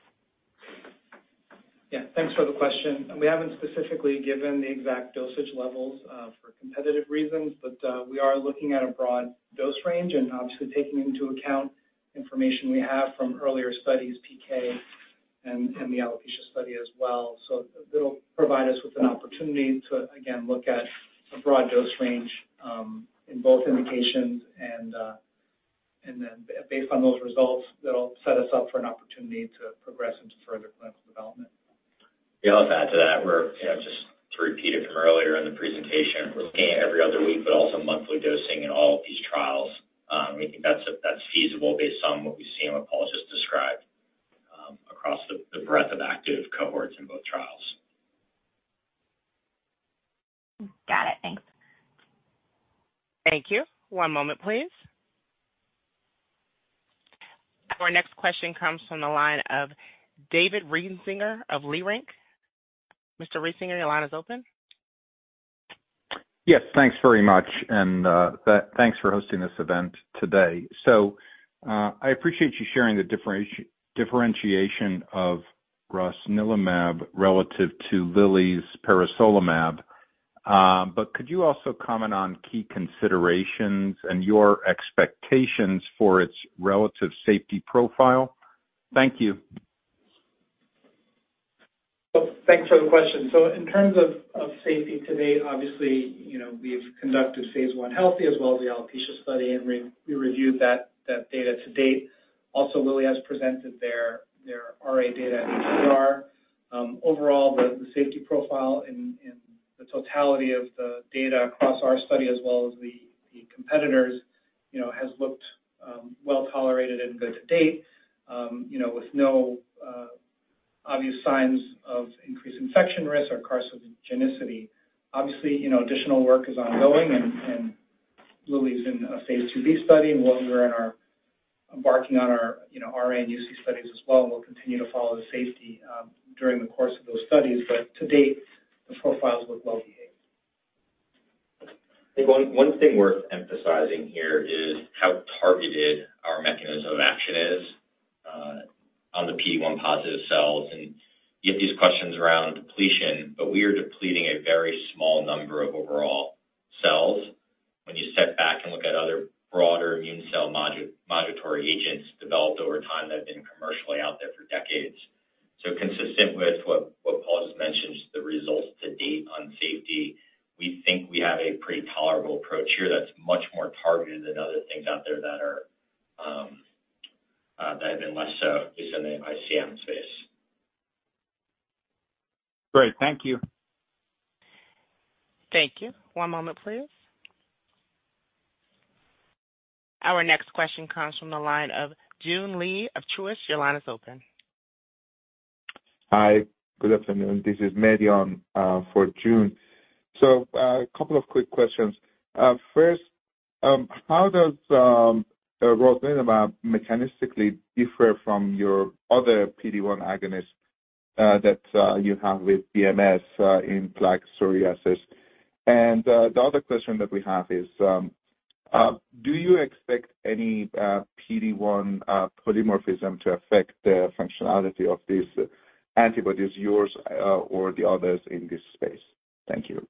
Yeah. Thanks for the question. We haven't specifically given the exact dosage levels, for competitive reasons, but, we are looking at a broad dose range and obviously taking into account information we have from earlier studies, PK and the alopecia study as well. So it'll provide us with an opportunity to, again, look at a broad dose range, in both indications. And then based on those results, that'll set us up for an opportunity to progress into further clinical development. Yeah, I'll add to that. We're, you know, just to repeat it from earlier in the presentation, we're looking at every other week, but also monthly dosing in all of these trials. We think that's, that's feasible based on what we've seen, what Paul just described, across the breadth of active cohorts in both trials. Got it. Thanks. Thank you. One moment, please. Our next question comes from the line of David Risinger of Leerink. Mr. Risinger, your line is open. Yes, thanks very much. Thanks for hosting this event today. I appreciate you sharing the differentiation of rosnilimab relative to Lilly's peresolimab. Could you also comment on key considerations and your expectations for its relative safety profile? Thank you. Well, thanks for the question. So in terms of safety to date, obviously, you know, we've conducted phase 1 healthy as well as the alopecia study, and we reviewed that data to date. Also, Lilly has presented their RA data at EULAR. Overall, the safety profile and the totality of the data across our study, as well as the competitors, you know, has looked well tolerated and good to date, you know, with no obvious signs of increased infection risk or carcinogenicity. Obviously, you know, additional work is ongoing and Lilly's in a phase 2b study, and while we're embarking on our, you know, RA and UC studies as well, we'll continue to follow the safety during the course of those studies. But to date, the profiles look well behaved. I think one thing worth emphasizing here is how targeted our mechanism of action is on the PD-1 positive cells. You have these questions around depletion, but we are depleting a very small number of overall cells when you step back and look at other broader immune cell modulatory agents developed over time that have been commercially out there for decades. So consistent with what Paul just mentioned, the results to date on safety, we think we have a pretty tolerable approach here that's much more targeted than other things out there that have been less so, at least in the ICM space. Great. Thank you. Thank you. One moment, please. Our next question comes from the line of Joon Lee of Truist. Your line is open. Hi, good afternoon. This is Mehdi on for Joon. So, a couple of quick questions. First, how does rosnilimab mechanistically differ from your other PD-1 agonist that you have with BMS in plaque psoriasis? And, the other question that we have is, do you expect any PD-1 polymorphism to affect the functionality of these antibodies, yours or the others in this space? Thank you.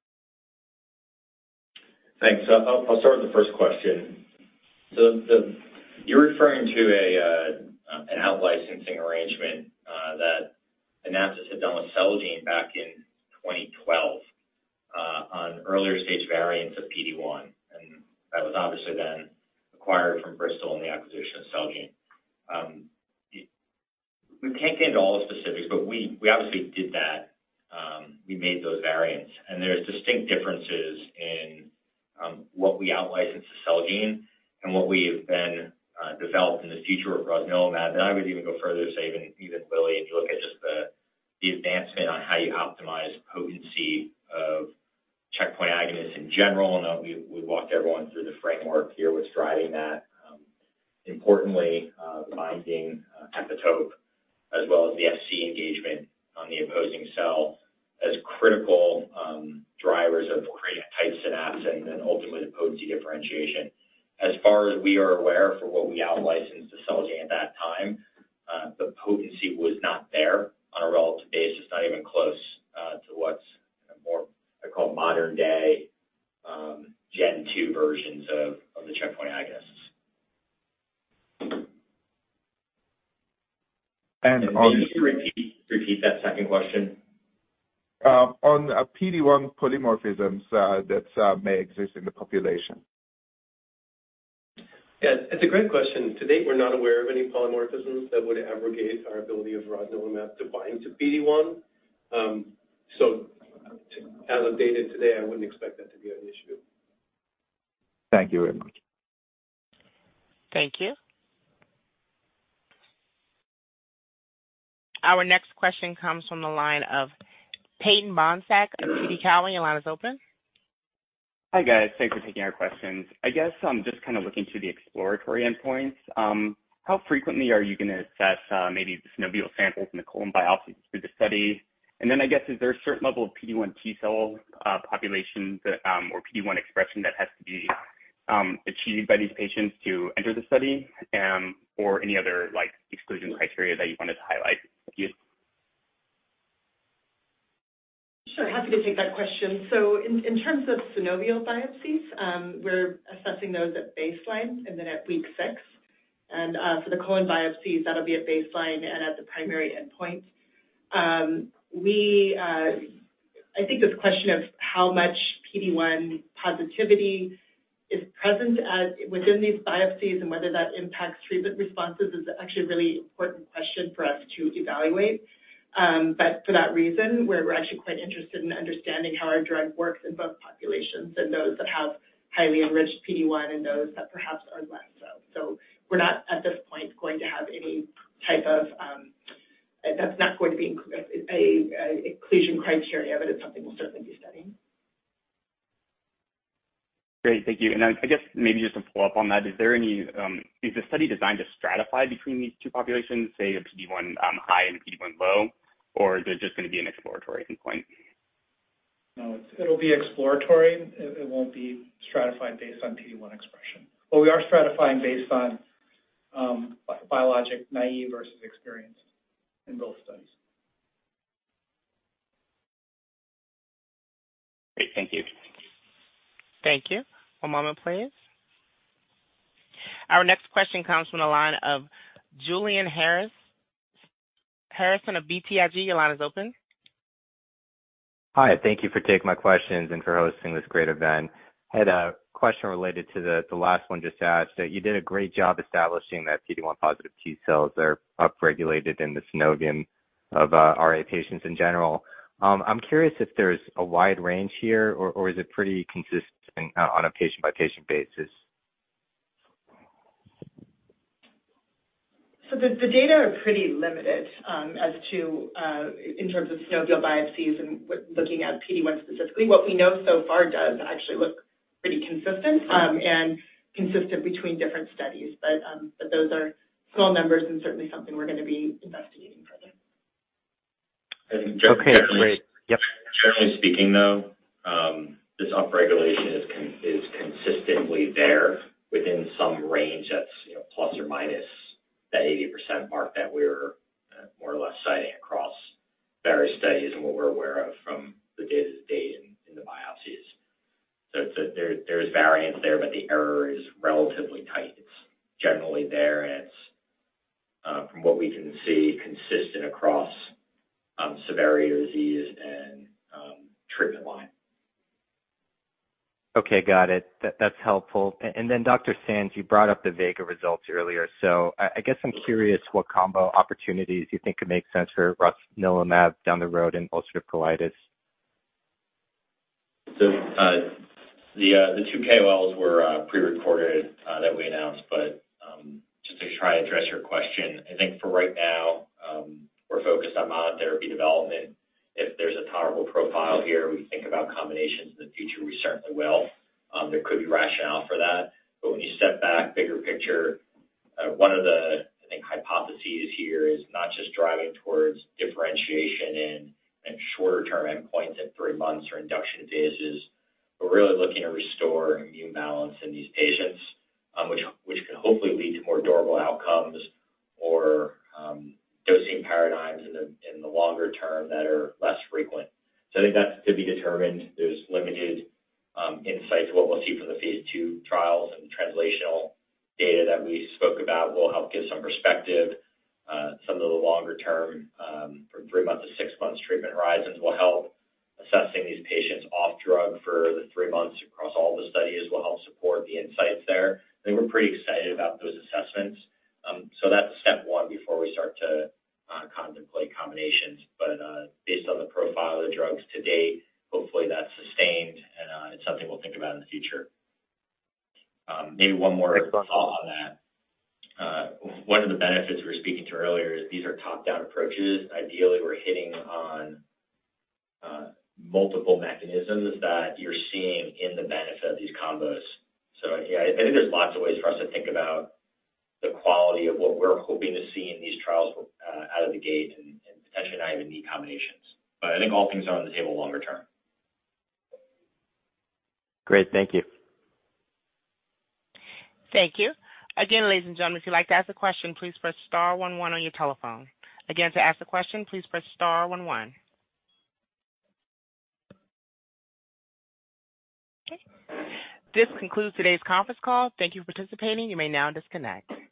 Thanks. So I'll start with the first question. So the... You're referring to a an out-licensing arrangement that Anaptys had done with Celgene back in 2012 on earlier stage variants of PD-1, and that was obviously then acquired from Bristol in the acquisition of Celgene. We can't get into all the specifics, but we obviously did that. We made those variants, and there's distinct differences in what we outlicensed to Celgene and what we have then developed in the future with rosnilimab. And I would even go further to say, even Lilly, if you look at just the advancement on how you optimize potency of checkpoint agonists in general, I know we've walked everyone through the framework here, what's driving that. Importantly, binding epitope as well as the FC engagement on the opposing cell, as critical drivers of create tight synapse and then ultimately the potency differentiation. As far as we are aware, from what we outlicensed to Celgene at that time, the potency was not there on a relative basis, not even close, to what's more, I call modern day, gen two versions of, of the checkpoint agonists. Can you just repeat, repeat that second question? On PD-1 polymorphisms, that may exist in the population. Yeah, it's a great question. To date, we're not aware of any polymorphisms that would abrogate our ability of rosnilimab to bind to PD-1. As of data today, I wouldn't expect that to be an issue. Thank you very much. Thank you. Our next question comes from the line of Peyton Bohnsack of TD Cowen. Your line is open. Hi, guys. Thanks for taking our questions. I guess I'm just kind of looking to the exploratory endpoints. How frequently are you gonna assess, maybe the synovial samples and the colon biopsies through the study? And then I guess, is there a certain level of PD-1 T cell populations, or PD-1 expression that has to be achieved by these patients to enter the study, or any other, like, exclusion criteria that you wanted to highlight, if you? Sure. Happy to take that question. So in terms of synovial biopsies, we're assessing those at baseline and then at week six. And for the colon biopsies, that'll be at baseline and at the primary endpoint. I think this question of how much PD-1 positivity is present within these biopsies and whether that impacts treatment responses is actually a really important question for us to evaluate. But for that reason, we're actually quite interested in understanding how our drug works in both populations and those that have highly enriched PD-1 and those that perhaps are less so. So we're not, at this point, going to have any type of, that's not going to be inclusion criteria, but it's something we'll certainly be studying. Great. Thank you. And then I guess maybe just to follow up on that, is the study designed to stratify between these two populations, say, a PD-1 high and PD-1 low, or is it just gonna be an exploratory endpoint? No, it's. It'll be exploratory. It won't be stratified based on PD-1 expression. But we are stratifying based on biologic naive versus experienced in both studies. Great. Thank you. Thank you. One moment, please. Our next question comes from the line of Julian Harrison of BTIG. Your line is open. Hi, thank you for taking my questions and for hosting this great event. I had a question related to the last one just asked. You did a great job establishing that PD-1 positive T cells are upregulated in the synovium of RA patients in general. I'm curious if there's a wide range here or is it pretty consistent on a patient-by-patient basis? So the data are pretty limited, as to, in terms of synovial biopsies and looking at PD-1 specifically. What we know so far does actually look pretty consistent, and consistent between different studies. But those are small numbers and certainly something we're gonna be investigating further. Okay, great. Yep. Generally speaking, though, this upregulation is consistently there within some range that's, you know, ±80% mark that we're more or less citing across various studies and what we're aware of from the data to date in the biopsies. So there, there's variance there, but the error is relatively tight. It's generally there, and it's from what we can see, consistent across severity of disease and treatment line. Okay, got it. That's helpful. And then Dr. Sands, you brought up the VEGA results earlier. So I guess I'm curious what combo opportunities you think could make sense for rosnilimab down the road in ulcerative colitis. So, the two KOLs were pre-recorded that we announced. But just to try and address your question, I think for right now, we're focused on monotherapy development. If there's a tolerable profile here, we think about combinations in the future, we certainly will. There could be rationale for that. But when you step back, bigger picture, one of the, I think, hypotheses here is not just driving towards differentiation and shorter-term endpoints at 3 months or induction phases. We're really looking to restore immune balance in these patients, which can hopefully lead to more durable outcomes or dosing paradigms in the longer term that are less frequent. So I think that's to be determined. There's limited insights what we'll see from the phase 2 trials and translational data that we spoke about will help give some perspective. Some of the longer term, from three months to six months treatment horizons will help. Assessing these patients off drug for the three months across all the studies will help support the insights there. I think we're pretty excited about those assessments. So that's step one before we start to contemplate combinations. But based on the profile of the drugs to date, hopefully, that's sustained and it's something we'll think about in the future. Maybe one more thought on that. One of the benefits we were speaking to earlier is these are top-down approaches. Ideally, we're hitting on multiple mechanisms that you're seeing in the benefit of these combos. So yeah, I think there's lots of ways for us to think about the quality of what we're hoping to see in these trials, out of the gate and potentially not even need combinations. But I think all things are on the table longer term. Great. Thank you. Thank you. Again, ladies and gentlemen, if you'd like to ask a question, please press star one one on your telephone. Again, to ask a question, please press star one one. Okay. This concludes today's conference call. Thank you for participating. You may now disconnect.